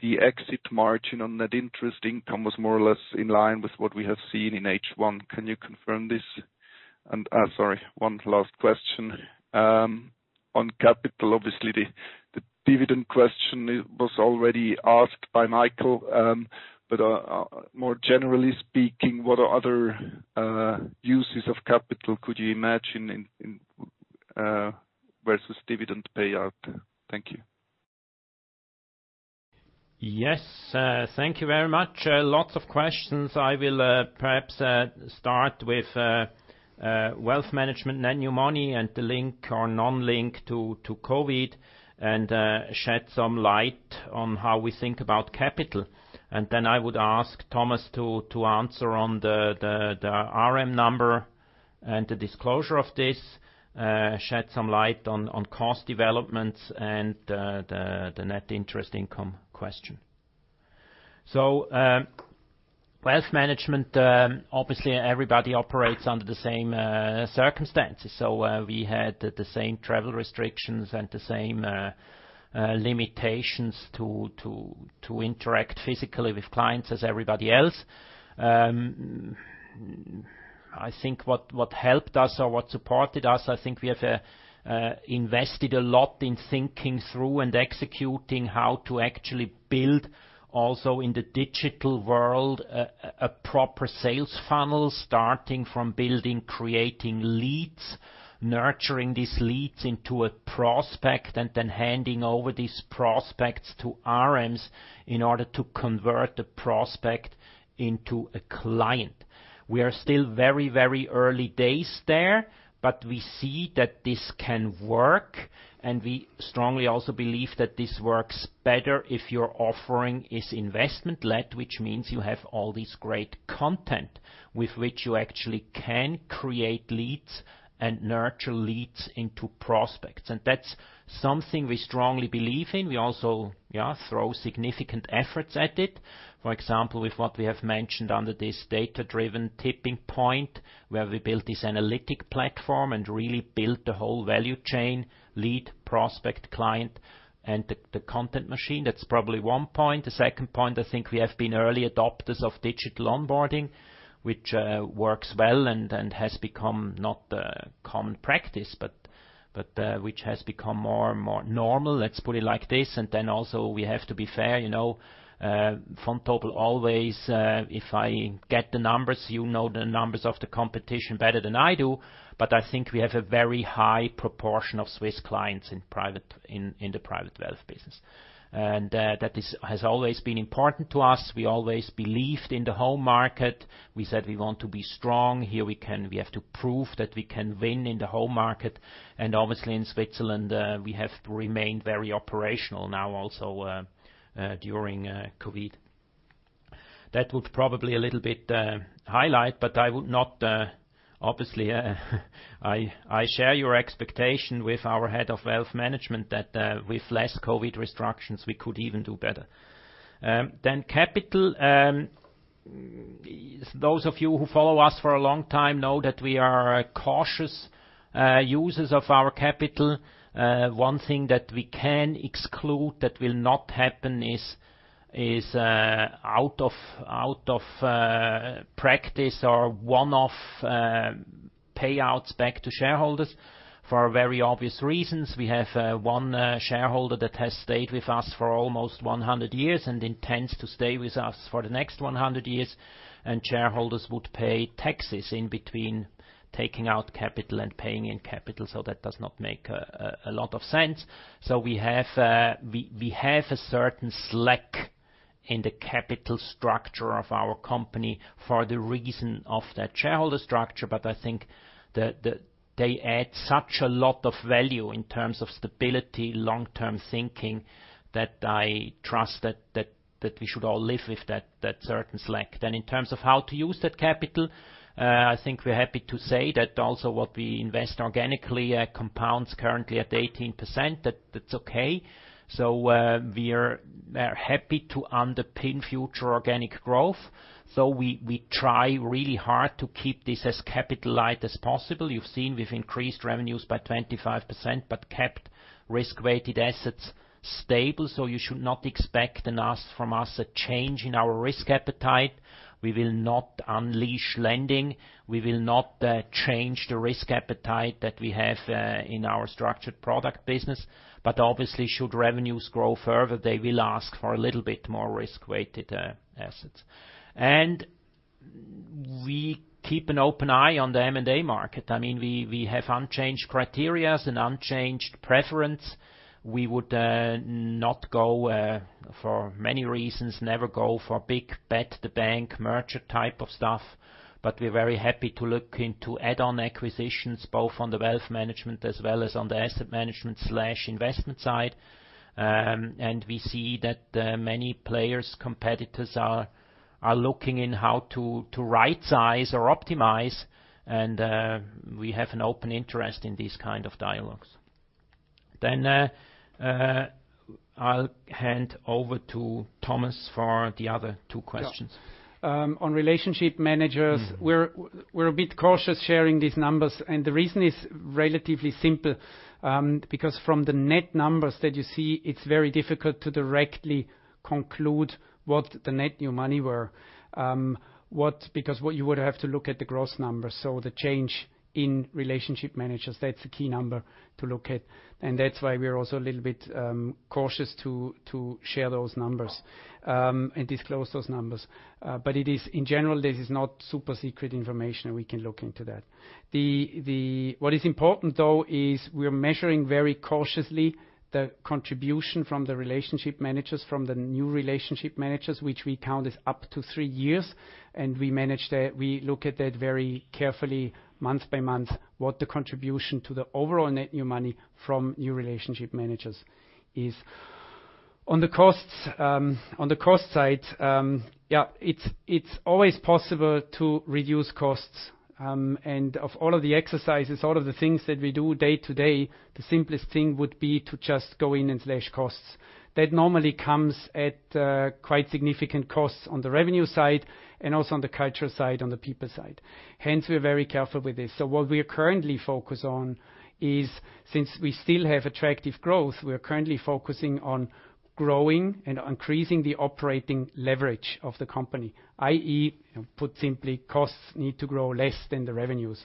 The exit margin on net interest income was more or less in line with what we have seen in H1. Can you confirm this? Sorry, one last question. On capital, obviously the dividend question was already asked by Michael, but more generally speaking, what other uses of capital could you imagine versus dividend payout? Thank you. Yes. Thank you very much. Lots of questions. I will perhaps start with wealth management, net new money, and the link or non-link to COVID, and shed some light on how we think about capital. I would ask Thomas to answer on the RM number and the disclosure of this, shed some light on cost developments and the net interest income question. Wealth management, obviously everybody operates under the same circumstances. We had the same travel restrictions and the same limitations to interact physically with clients as everybody else. I think what helped us or what supported us, I think we have invested a lot in thinking through and executing how to actually build, also in the digital world, a proper sales funnel, starting from building, creating leads, nurturing these leads into a prospect, and then handing over these prospects to RMs in order to convert the prospect into a client. We are still very early days there, but we see that this can work, and we strongly also believe that this works better if your offering is investment-led, which means you have all this great content with which you actually can create leads and nurture leads into prospects. That's something we strongly believe in. We also throw significant efforts at it. For example, with what we have mentioned under this data-driven tipping point, where we built this analytic platform and really built the whole value chain, lead, prospect, client, and the content machine. That's probably one point. The second point, I think we have been early adopters of digital onboarding, which works well and has become not a common practice, but which has become more normal, let's put it like this. Also, we have to be fair, Vontobel always, if I get the numbers, you know the numbers of the competition better than I do, but I think we have a very high proportion of Swiss clients in the private wealth business. That has always been important to us. We always believed in the home market. We said we want to be strong here. We have to prove that we can win in the home market. Obviously in Switzerland, we have remained very operational now also during COVID. That would probably a little bit highlight. Obviously, I share your expectation with our head of wealth management that with less COVID restrictions, we could even do better. Capital. Those of you who follow us for a long time know that we are cautious users of our capital. One thing that we can exclude that will not happen is out of practice or one-off payouts back to shareholders, for very obvious reasons. We have one shareholder that has stayed with us for almost 100 years and intends to stay with us for the next 100 years, and shareholders would pay taxes in between taking out capital and paying in capital, so that does not make a lot of sense. We have a certain slack in the capital structure of our company for the reason of that shareholder structure. I think they add such a lot of value in terms of stability, long-term thinking, that I trust that we should all live with that certain slack. In terms of how to use that capital, I think we're happy to say that also what we invest organically compounds currently at 18%, that's okay. We are happy to underpin future organic growth. We try really hard to keep this as capital light as possible. You've seen we've increased revenues by 25%, but kept risk-weighted assets stable. You should not expect from us a change in our risk appetite. We will not unleash lending. We will not change the risk appetite that we have in our structured product business. Obviously, should revenues grow further, they will ask for a little bit more risk-weighted assets. We keep an open eye on the M&A market. We have unchanged criterias and unchanged preference. We would not go, for many reasons, never go for a big bet, the bank merger type of stuff. We're very happy to look into add-on acquisitions, both on the wealth management as well as on the asset management/investment side. We see that many players, competitors, are looking in how to rightsize or optimize, and we have an open interest in these kind of dialogues. I'll hand over to Thomas for the other two questions. On relationship managers, we're a bit cautious sharing these numbers, and the reason is relatively simple. From the net numbers that you see, it's very difficult to directly conclude what the net new money were. You would have to look at the gross numbers. The change in relationship managers, that's the key number to look at. That's why we're also a little bit cautious to share those numbers and disclose those numbers. In general, this is not super secret information, and we can look into that. What is important, though, is we're measuring very cautiously the contribution from the relationship managers, from the new relationship managers, which we count as up to three years. We look at that very carefully month by month, what the contribution to the overall net new money from new relationship managers is. On the cost side, it's always possible to reduce costs. Of all of the exercises, all of the things that we do day to day, the simplest thing would be to just go in and slash costs. That normally comes at quite significant costs on the revenue side and also on the culture side, on the people side. Hence, we're very careful with this. What we are currently focused on is, since we still have attractive growth, we are currently focusing on growing and increasing the operating leverage of the company, i.e., put simply, costs need to grow less than the revenues.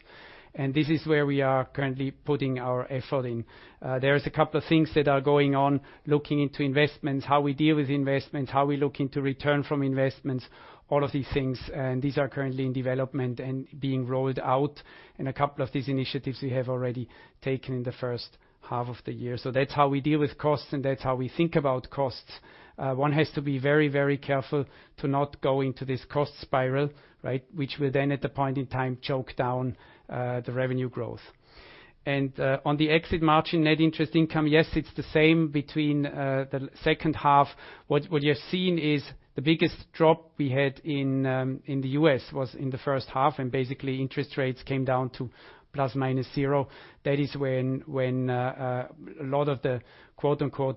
This is where we are currently putting our effort in. There is a couple of things that are going on, looking into investments, how we deal with investments, how we look into return from investments, all of these things. These are currently in development and being rolled out. A couple of these initiatives we have already taken in the first half of the year. That's how we deal with costs, and that's how we think about costs. One has to be very careful to not go into this cost spiral, which will then at the point in time choke down the revenue growth. On the exit margin net interest income, yes, it's the same between the second half. What you're seeing is the biggest drop we had in the U.S. was in the first half, and basically interest rates came down to ±0. That is when a lot of the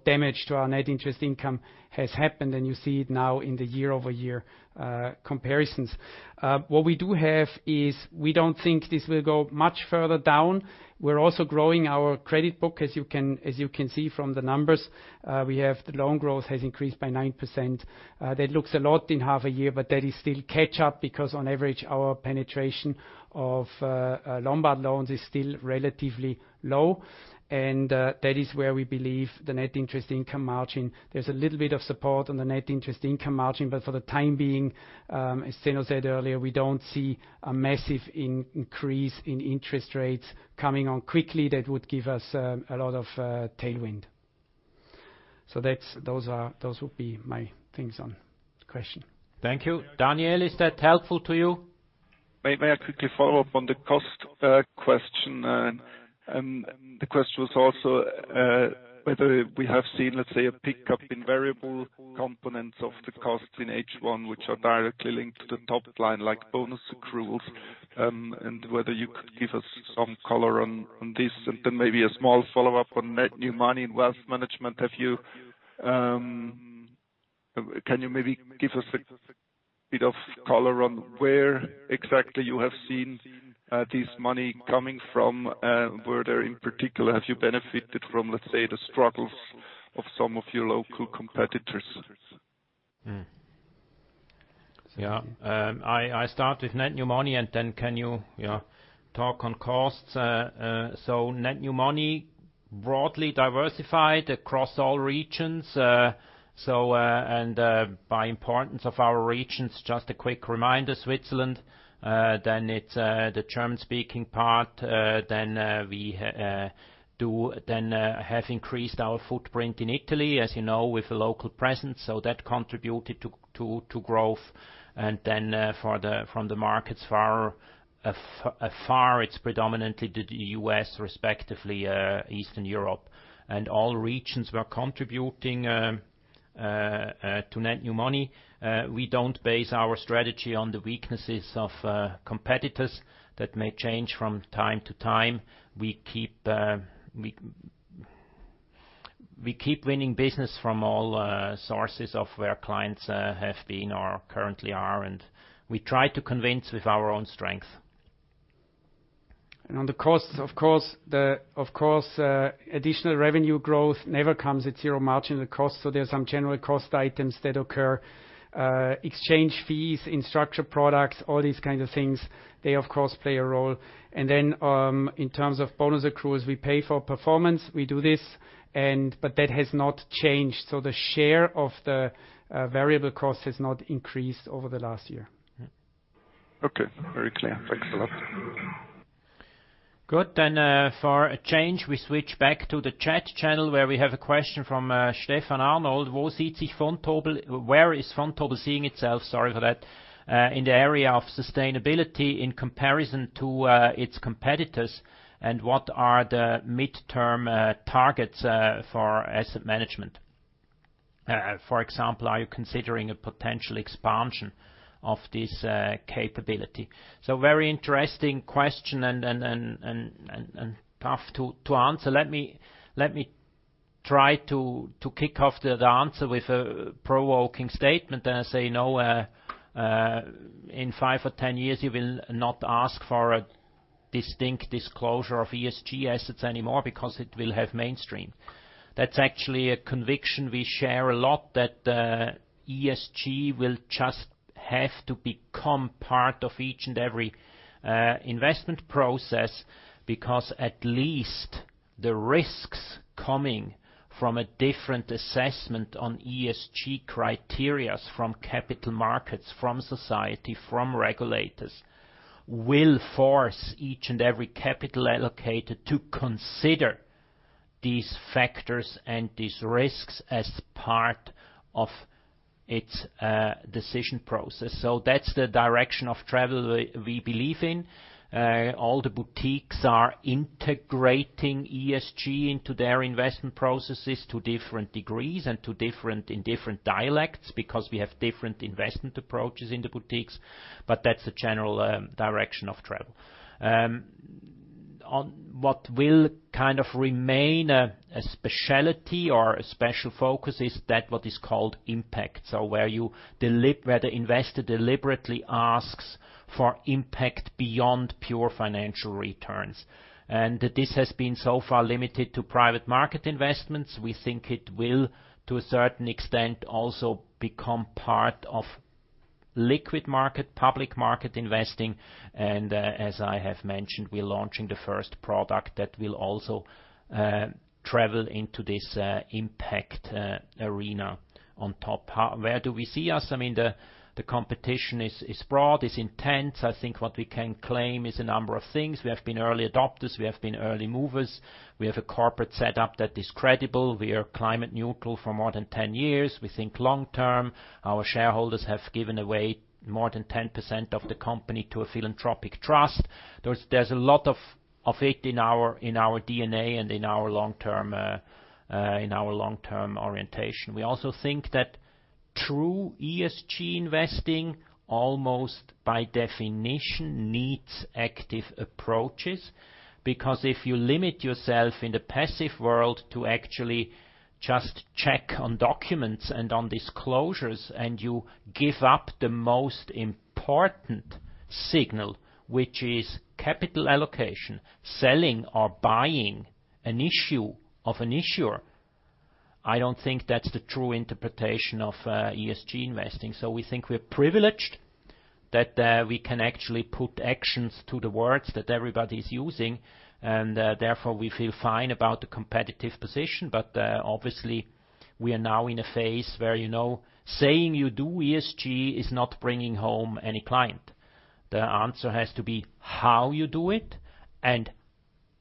"damage" to our net interest income has happened, and you see it now in the year-over-year comparisons. What we do have is, we don't think this will go much further down. We're also growing our credit book, as you can see from the numbers. We have the loan growth has increased by 9%. That looks a lot in half a year, but that is still catch-up because on average, our penetration of Lombard loans is still relatively low. That is where we believe the net interest income margin, there's a little bit of support on the net interest income margin, but for the time being, as Zeno Staub said earlier, we don't see a massive increase in interest rates coming on quickly that would give us a lot of tailwind. Those would be my things on the question. Thank you. Daniel, is that helpful to you? May I quickly follow up on the cost question? The question was also whether we have seen, let's say, a pickup in variable components of the cost in H1, which are directly linked to the top line, like bonus accruals, and whether you could give us some color on this, and then maybe a small follow-up on Net new money and wealth management. Can you maybe give us a bit of color on where exactly you have seen this money coming from? Where there in particular have you benefited from, let's say, the struggles of some of your local competitors? Yeah. I start with net new money, and then can you talk on costs? net new money, broadly diversified across all regions. By importance of our regions, just a quick reminder, Switzerland, then it's the German-speaking part, then we have increased our footprint in Italy, as you know, with a local presence. That contributed to growth. From the markets afar, it's predominantly the U.S., respectively, Eastern Europe. All regions were contributing to net new money. We don't base our strategy on the weaknesses of competitors. That may change from time to time. We keep winning business from all sources of where clients have been or currently are, and we try to convince with our own strength. On the costs, of course, additional revenue growth never comes at zero margin. The cost, there are some general cost items that occur. Exchange fees in structured products, all these kinds of things, they of course, play a role. In terms of bonus accruals, we pay for performance. We do this. That has not changed. The share of the variable cost has not increased over the last year. Okay. Very clear. Thanks a lot. Good. For a change, we switch back to the chat channel where we have a question from Stephan Arnold. Where is Vontobel seeing itself, sorry for that, in the area of sustainability in comparison to its competitors, and what are the midterm targets for asset management? For example, are you considering a potential expansion of this capability? Very interesting question and tough to answer. Let me try to kick off the answer with a provoking statement and say no, in five or 10 years, you will not ask for a distinct disclosure of ESG assets anymore because it will have mainstreamed. That's actually a conviction we share a lot, that ESG will just have to become part of each and every investment process, because at least the risks coming from a different assessment on ESG criteria from capital markets, from society, from regulators, will force each and every capital allocator to consider these factors and these risks as part of its decision process. That's the direction of travel that we believe in. All the boutiques are integrating ESG into their investment processes to different degrees and in different dialects, because we have different investment approaches in the boutiques, but that's the general direction of travel. What will kind of remain a specialty or a special focus is that what is called impact. Where the investor deliberately asks for impact beyond pure financial returns. This has been so far limited to private market investments. We think it will, to a certain extent, also become part of liquid market, public market investing, and, as I have mentioned, we're launching the first product that will also travel into this impact arena on top. Where do we see us? The competition is broad, is intense. I think what we can claim is a number of things. We have been early adopters. We have been early movers. We have a corporate setup that is credible. We are climate neutral for more than 10 years. We think long-term. Our shareholders have given away more than 10% of the company to a philanthropic trust. There's a lot of it in our DNA and in our long-term orientation. We also think that true ESG investing, almost by definition, needs active approaches. Because if you limit yourself in the passive world to actually just check on documents and on disclosures, and you give up the most important signal, which is capital allocation, selling or buying an issue of an issuer, I don't think that's the true interpretation of ESG investing. We think we're privileged that we can actually put actions to the words that everybody's using, and therefore we feel fine about the competitive position. Obviously, we are now in a phase where saying you do ESG is not bringing home any client. The answer has to be how you do it, and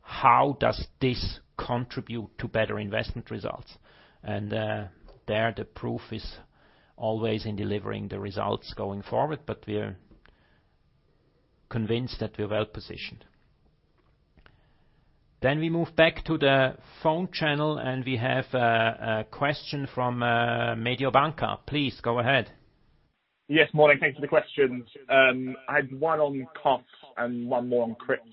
how does this contribute to better investment results? There, the proof is always in delivering the results going forward, but we're convinced that we're well-positioned. We move back to the phone channel, and we have a question from Mediobanca. Please go ahead. Yes. Morning. Thanks for the question. I had one on costs and one more on crypto.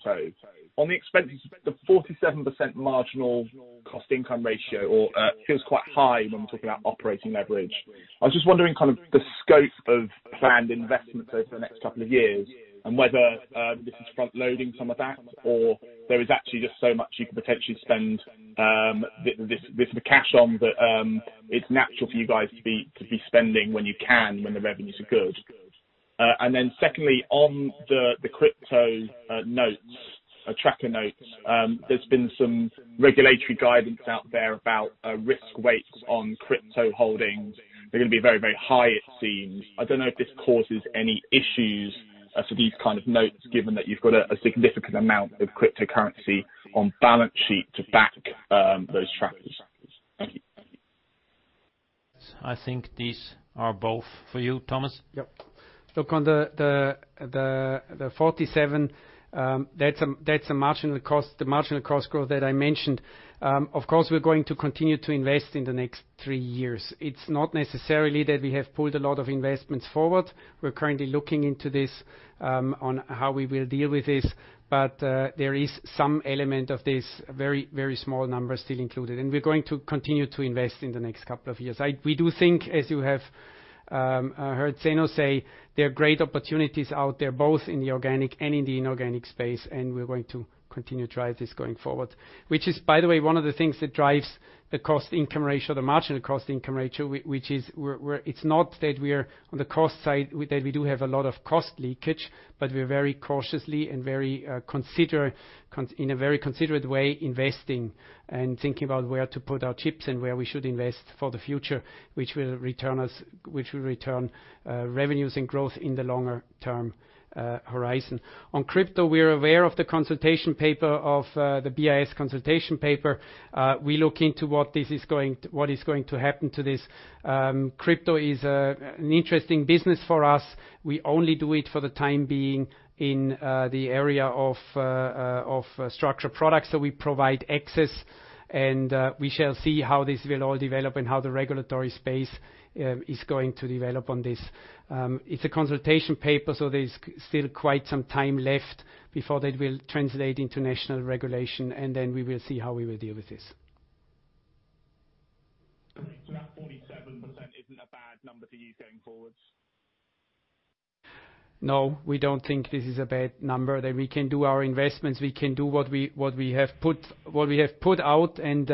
On the expenses, the 47% marginal cost-income ratio feels quite high when we're talking about operating leverage. I was just wondering the scope of planned investments over the next couple of years, and whether this is front-loading some of that, or there is actually just so much you could potentially spend this bit of a cash on. It's natural for you guys to be spending when you can, when the revenues are good. Secondly, on the crypto notes, tracker notes, there's been some regulatory guidance out there about risk weights on crypto holdings. They're going to be very high, it seems. I don't know if this causes any issues for these kind of notes, given that you've got a significant amount of cryptocurrency on balance sheet to back those trackers. Thank you. I think these are both for you, Thomas. Yep. Look, on the 47, that's the marginal cost growth that I mentioned. Of course, we're going to continue to invest in the next three years. It's not necessarily that we have pulled a lot of investments forward. We're currently looking into this, on how we will deal with this. There is some element of this very small number still included, and we're going to continue to invest in the next couple of years. We do think, as you have heard Zeno say, there are great opportunities out there, both in the organic and in the inorganic space, and we're going to continue to drive this going forward. Which is, by the way, one of the things that drives the cost-income ratio, the marginal cost-income ratio, which is it's not that we're on the cost side, that we do have a lot of cost leakage, but we are very cautiously and in a very considerate way investing and thinking about where to put our chips and where we should invest for the future, which will return revenues and growth in the longer-term horizon. On crypto, we're aware of the BIS consultation paper. We look into what is going to happen to this. Crypto is an interesting business for us. We only do it for the time being in the area of structured products that we provide access, and we shall see how this will all develop and how the regulatory space is going to develop on this. It's a consultation paper, so there's still quite some time left before that will translate into national regulation, and then we will see how we will deal with this. That 47% isn't a bad number for you going forwards? No. We don't think this is a bad number. That we can do our investments, we can do what we have put out and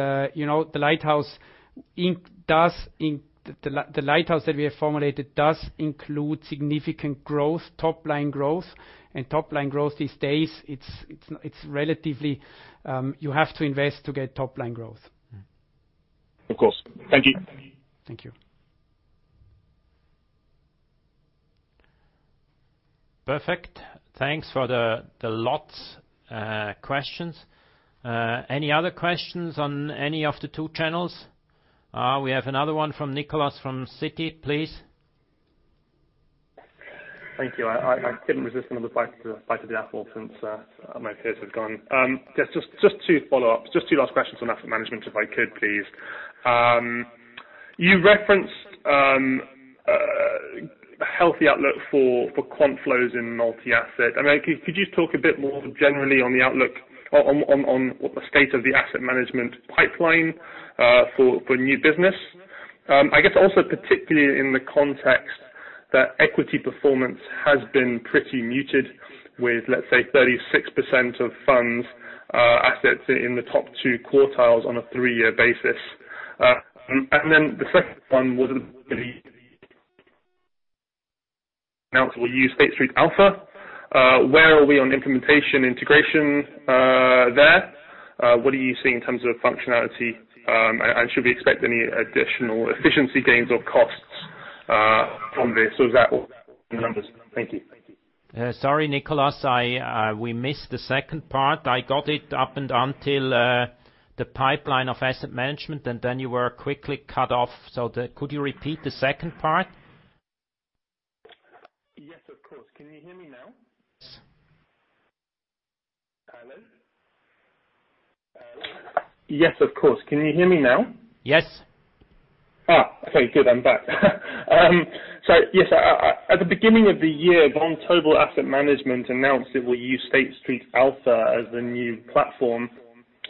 the lighthouse that we have formulated does include significant growth, top-line growth. Top-line growth these days, you have to invest to get top-line growth. Of course. Thank you. Thank you. Perfect. Thanks for the lots questions. Any other questions on any of the two channels? We have another one from Nicholas from Citi, please. Thank you. I couldn't resist another bite of the apple since my peers have gone. Yes, just two follow-ups. Just two last questions on asset management, if I could, please. You referenced a healthy outlook for quant flows in multi-asset. Could you talk a bit more generally on the outlook on the state of the asset management pipeline for new business? I guess also particularly in the context that equity performance has been pretty muted with, let's say, 36% of funds assets in the top two quartiles on a three-year basis. The second one was announced will use State Street Alpha. Where are we on implementation integration there? What are you seeing in terms of functionality? Should we expect any additional efficiency gains or costs from this? Or is that all in the numbers? Thank you. Sorry, Nicholas, we missed the second part. I got it up until the pipeline of asset management, and then you were quickly cut off, so could you repeat the second part? Yes, of course. Can you hear me now? Hello? Yes, of course. Can you hear me now? Yes. Okay, good. I'm back. Yes, at the beginning of the year, Vontobel Asset Management announced it will use State Street Alpha as the new platform.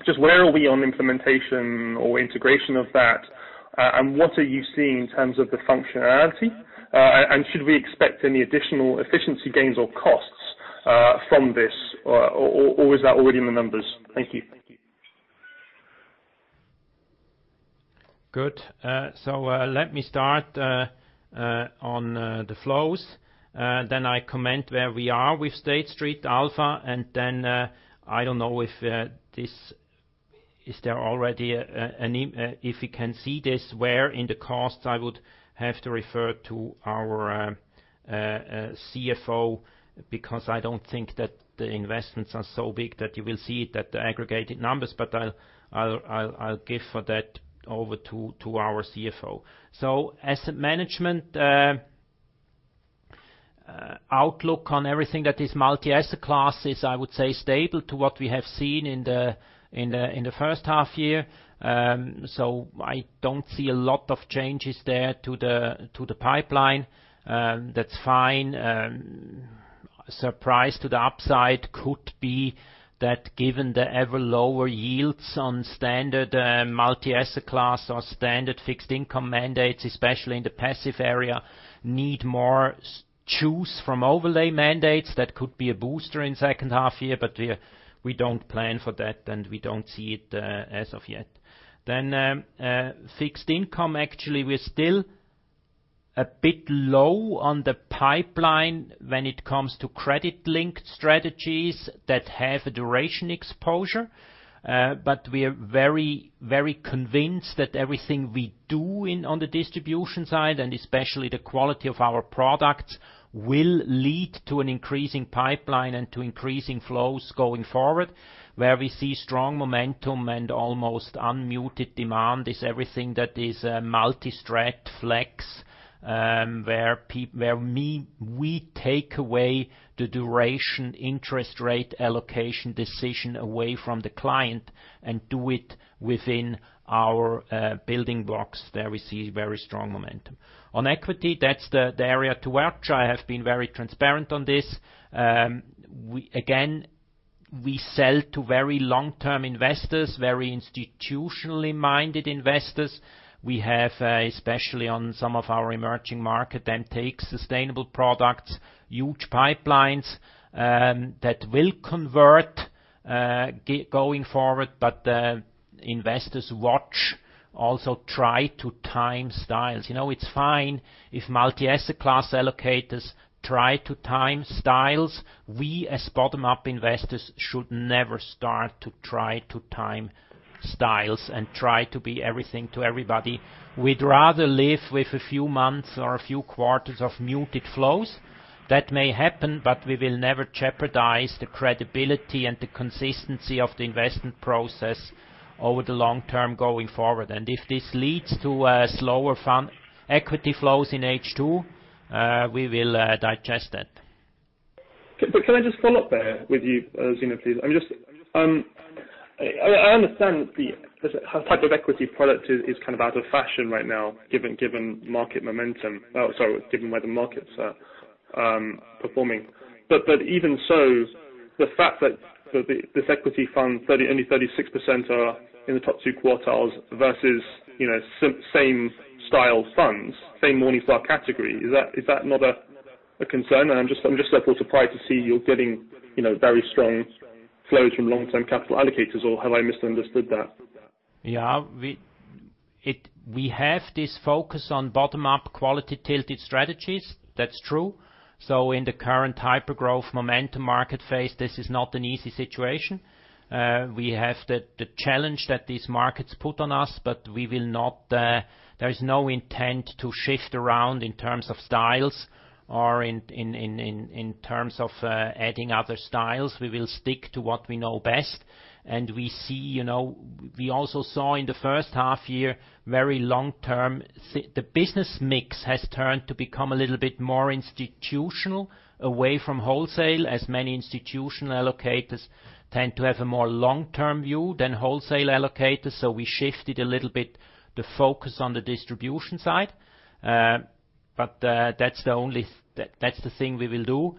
Just where are we on implementation or integration of that? What are you seeing in terms of the functionality? Should we expect any additional efficiency gains or costs from this? Is that already in the numbers? Thank you. Good. Let me start on the flows. I comment where we are with State Street Alpha, and then I don't know if we can see this where in the costs, I would have to refer to our CFO because I don't think that the investments are so big that you will see it at the aggregated numbers. I'll give for that over to our CFO. Asset management outlook on everything that is multi-asset class is, I would say, stable to what we have seen in the first half year. I don't see a lot of changes there to the pipeline. That's fine. Surprise to the upside could be that given the ever lower yields on standard multi-asset class or standard fixed income mandates, especially in the passive area, need more juice from overlay mandates. That could be a booster in second half year, but we don't plan for that, and we don't see it as of yet. Fixed income, actually, we're still a bit low on the pipeline when it comes to credit-linked strategies that have a duration exposure. We are very convinced that everything we do on the distribution side, and especially the quality of our products, will lead to an increasing pipeline and to increasing flows going forward. Where we see strong momentum and almost unmuted demand is everything that is multi-strat flex, where we take away the duration interest rate allocation decision away from the client and do it within our building blocks. There we see very strong momentum. On equity, that's the area to watch. I have been very transparent on this. Again, we sell to very long-term investors, very institutionally-minded investors. We have, especially on some of our emerging Markets Equity, sustainable products, huge pipelines that will convert going forward. Investors watch also try to time styles. It's fine if multi-asset class allocators try to time styles. We, as bottom-up investors, should never start to try to time styles and try to be everything to everybody. We'd rather live with a few months or a few quarters of muted flows. That may happen, we will never jeopardize the credibility and the consistency of the investment process over the long term going forward. If this leads to slower fund equity flows in H2, we will digest that. Can I just follow up there with you, Zeno, please? I understand the type of equity product is kind of out of fashion right now given where the markets are performing. Even so, the fact that this equity fund, only 36% are in the top two quartiles versus same style funds, same Morningstar category, is that not a concern? I'm just surprised to see you're getting very strong flows from long-term capital allocators, or have I misunderstood that? We have this focus on bottom-up quality-tilted strategies. That's true. In the current hypergrowth momentum market phase, this is not an easy situation. We have the challenge that these markets put on us, but there is no intent to shift around in terms of styles or in terms of adding other styles. We will stick to what we know best. We also saw in the first half year, very long-term, the business mix has turned to become a little bit more institutional, away from wholesale, as many institutional allocators tend to have a more long-term view than wholesale allocators. We shifted a little bit the focus on the distribution side. That's the thing we will do.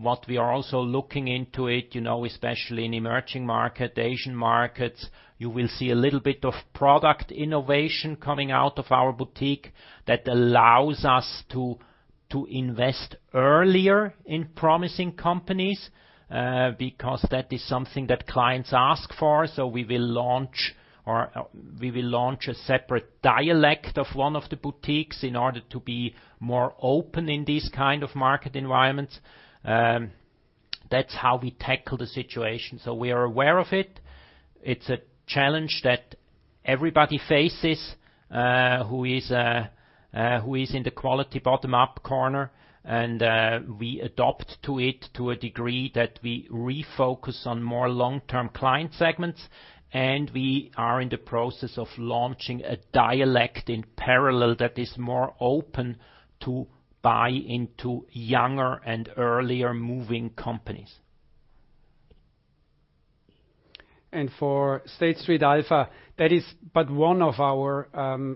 What we are also looking into it, especially in Emerging Markets, Asian markets, you will see a little bit of product innovation coming out of our boutique that allows us to invest earlier in promising companies, because that is something that clients ask for. We will launch a separate dialect of one of the boutiques in order to be more open in these kind of market environments. That's how we tackle the situation. We are aware of it. It's a challenge that everybody faces, who is in the quality bottom-up corner. We adopt to it to a degree that we refocus on more long-term client segments. We are in the process of launching a dialect in parallel that is more open to buy into younger and earlier moving companies. For State Street Alpha, that is but one of our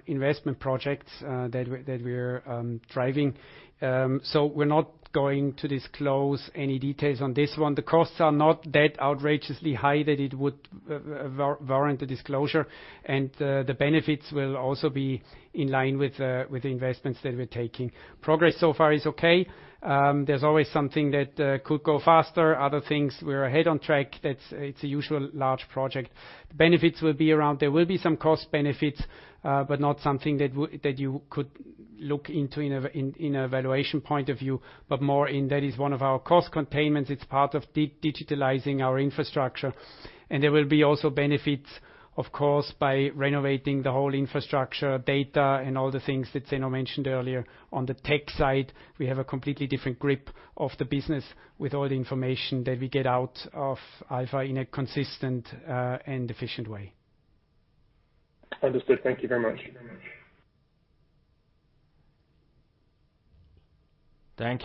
investment projects that we're driving. We're not going to disclose any details on this one. The costs are not that outrageously high that it would warrant a disclosure. The benefits will also be in line with the investments that we're taking. Progress so far is okay. There's always something that could go faster. Other things, we're ahead on track. It's a usual large project. There will be some cost benefits, but not something that you could look into in a valuation point of view, but more in that is one of our cost containments. It's part of digitalizing our infrastructure. There will be also benefits, of course, by renovating the whole infrastructure, data, and all the things that Zeno mentioned earlier. On the tech side, we have a completely different grip of the business with all the information that we get out of Alpha in a consistent and efficient way. Understood. Thank you very much. Thank you,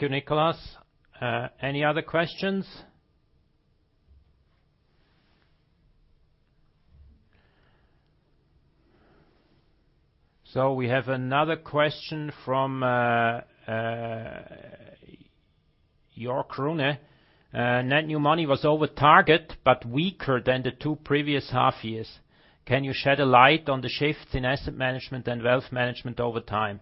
Nicholas. Any other questions? We have another question from Jörg Runde. net new money was over target, but weaker than the two previous half years. Can you shed a light on the shifts in asset management and wealth management over time?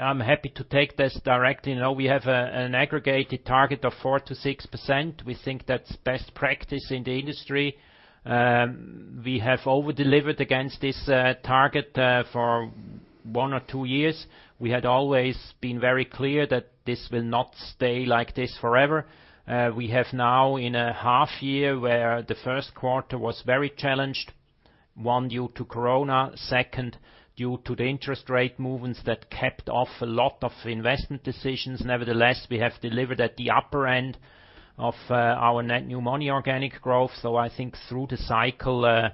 I'm happy to take this directly. We have an aggregated target of 4%-6%. We think that's best practice in the industry. We have over-delivered against this target for one or two years. We had always been very clear that this will not stay like this forever. We have now in a half year where the first quarter was very challenged, one, due to Corona, second, due to the interest rate movements that kept off a lot of investment decisions. Nevertheless, we have delivered at the upper end of our net new money organic growth. I think through the cycle,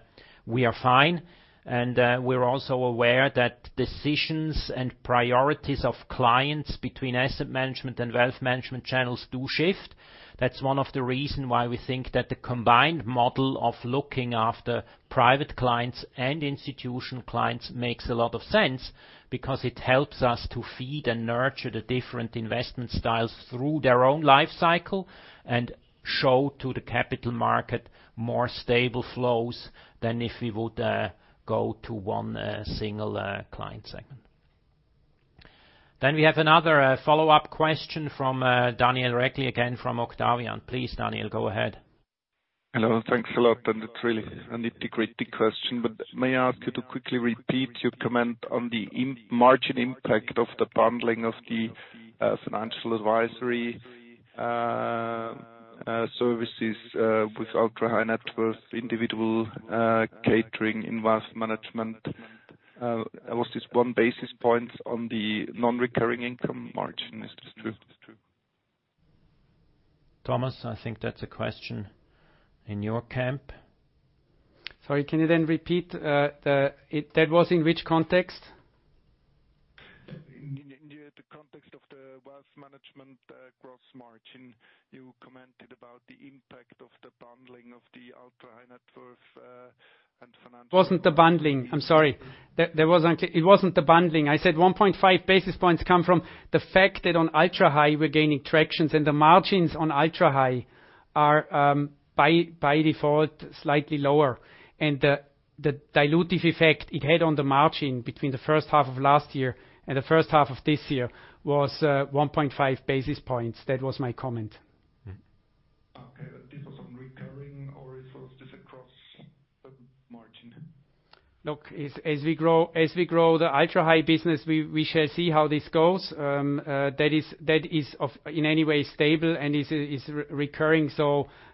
we are fine. We're also aware that decisions and priorities of clients between asset management and wealth management channels do shift. That's one of the reason why we think that the combined model of looking after private clients and institutional clients makes a lot of sense because it helps us to feed and nurture the different investment styles through their own life cycle and show to the capital market more stable flows than if we would go to one single client segment. We have another follow-up question from Daniel Regli again from Octavian. Please, Daniel, go ahead. Hello, thanks a lot. It's really a nitty-gritty question, but may I ask you to quickly repeat your comment on the margin impact of the bundling of the financial advisory services with ultra-high net worth individual catering in wealth management? Was this 1 basis point on the non-recurring income margin? Is this true? Thomas, I think that's a question in your camp. Sorry, can you then repeat? That was in which context? In the context of the wealth management gross margin. You commented about the impact of the bundling of the ultra-high net worth and financial- It wasn't the bundling. I'm sorry. It wasn't the bundling. I said 1.5 basis points come from the fact that on ultra high, we're gaining tractions, and the margins on ultra high are, by default, slightly lower. The dilutive effect it had on the margin between the first half of last year and the first half of this year was 1.5 basis points. That was my comment. Okay. This was on recurring, or is this across the margin? Look, as we grow the ultra-high business, we shall see how this goes. That is, in any way, stable and is recurring.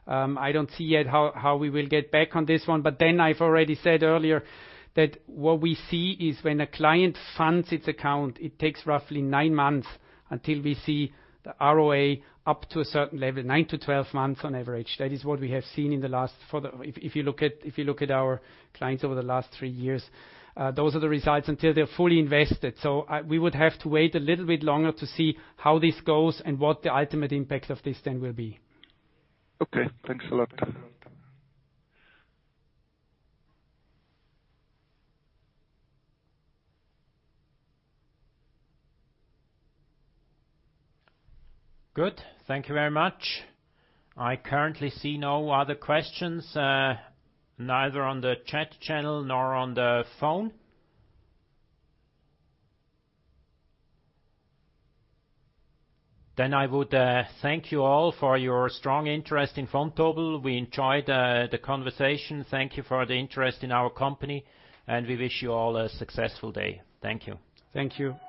I don't see yet how we will get back on this one. I've already said earlier that what we see is when a client funds its account, it takes roughly nine months until we see the ROA up to a certain level, nine-12 months on average. That is what we have seen, if you look at our clients over the last three years. Those are the results until they're fully invested. We would have to wait a little bit longer to see how this goes and what the ultimate impact of this then will be. Okay. Thanks a lot. Good. Thank you very much. I currently see no other questions, neither on the chat channel nor on the phone. Then I would thank you all for your strong interest in Vontobel. We enjoyed the conversation. Thank you for the interest in our company, and we wish you all a successful day. Thank you. Thank you.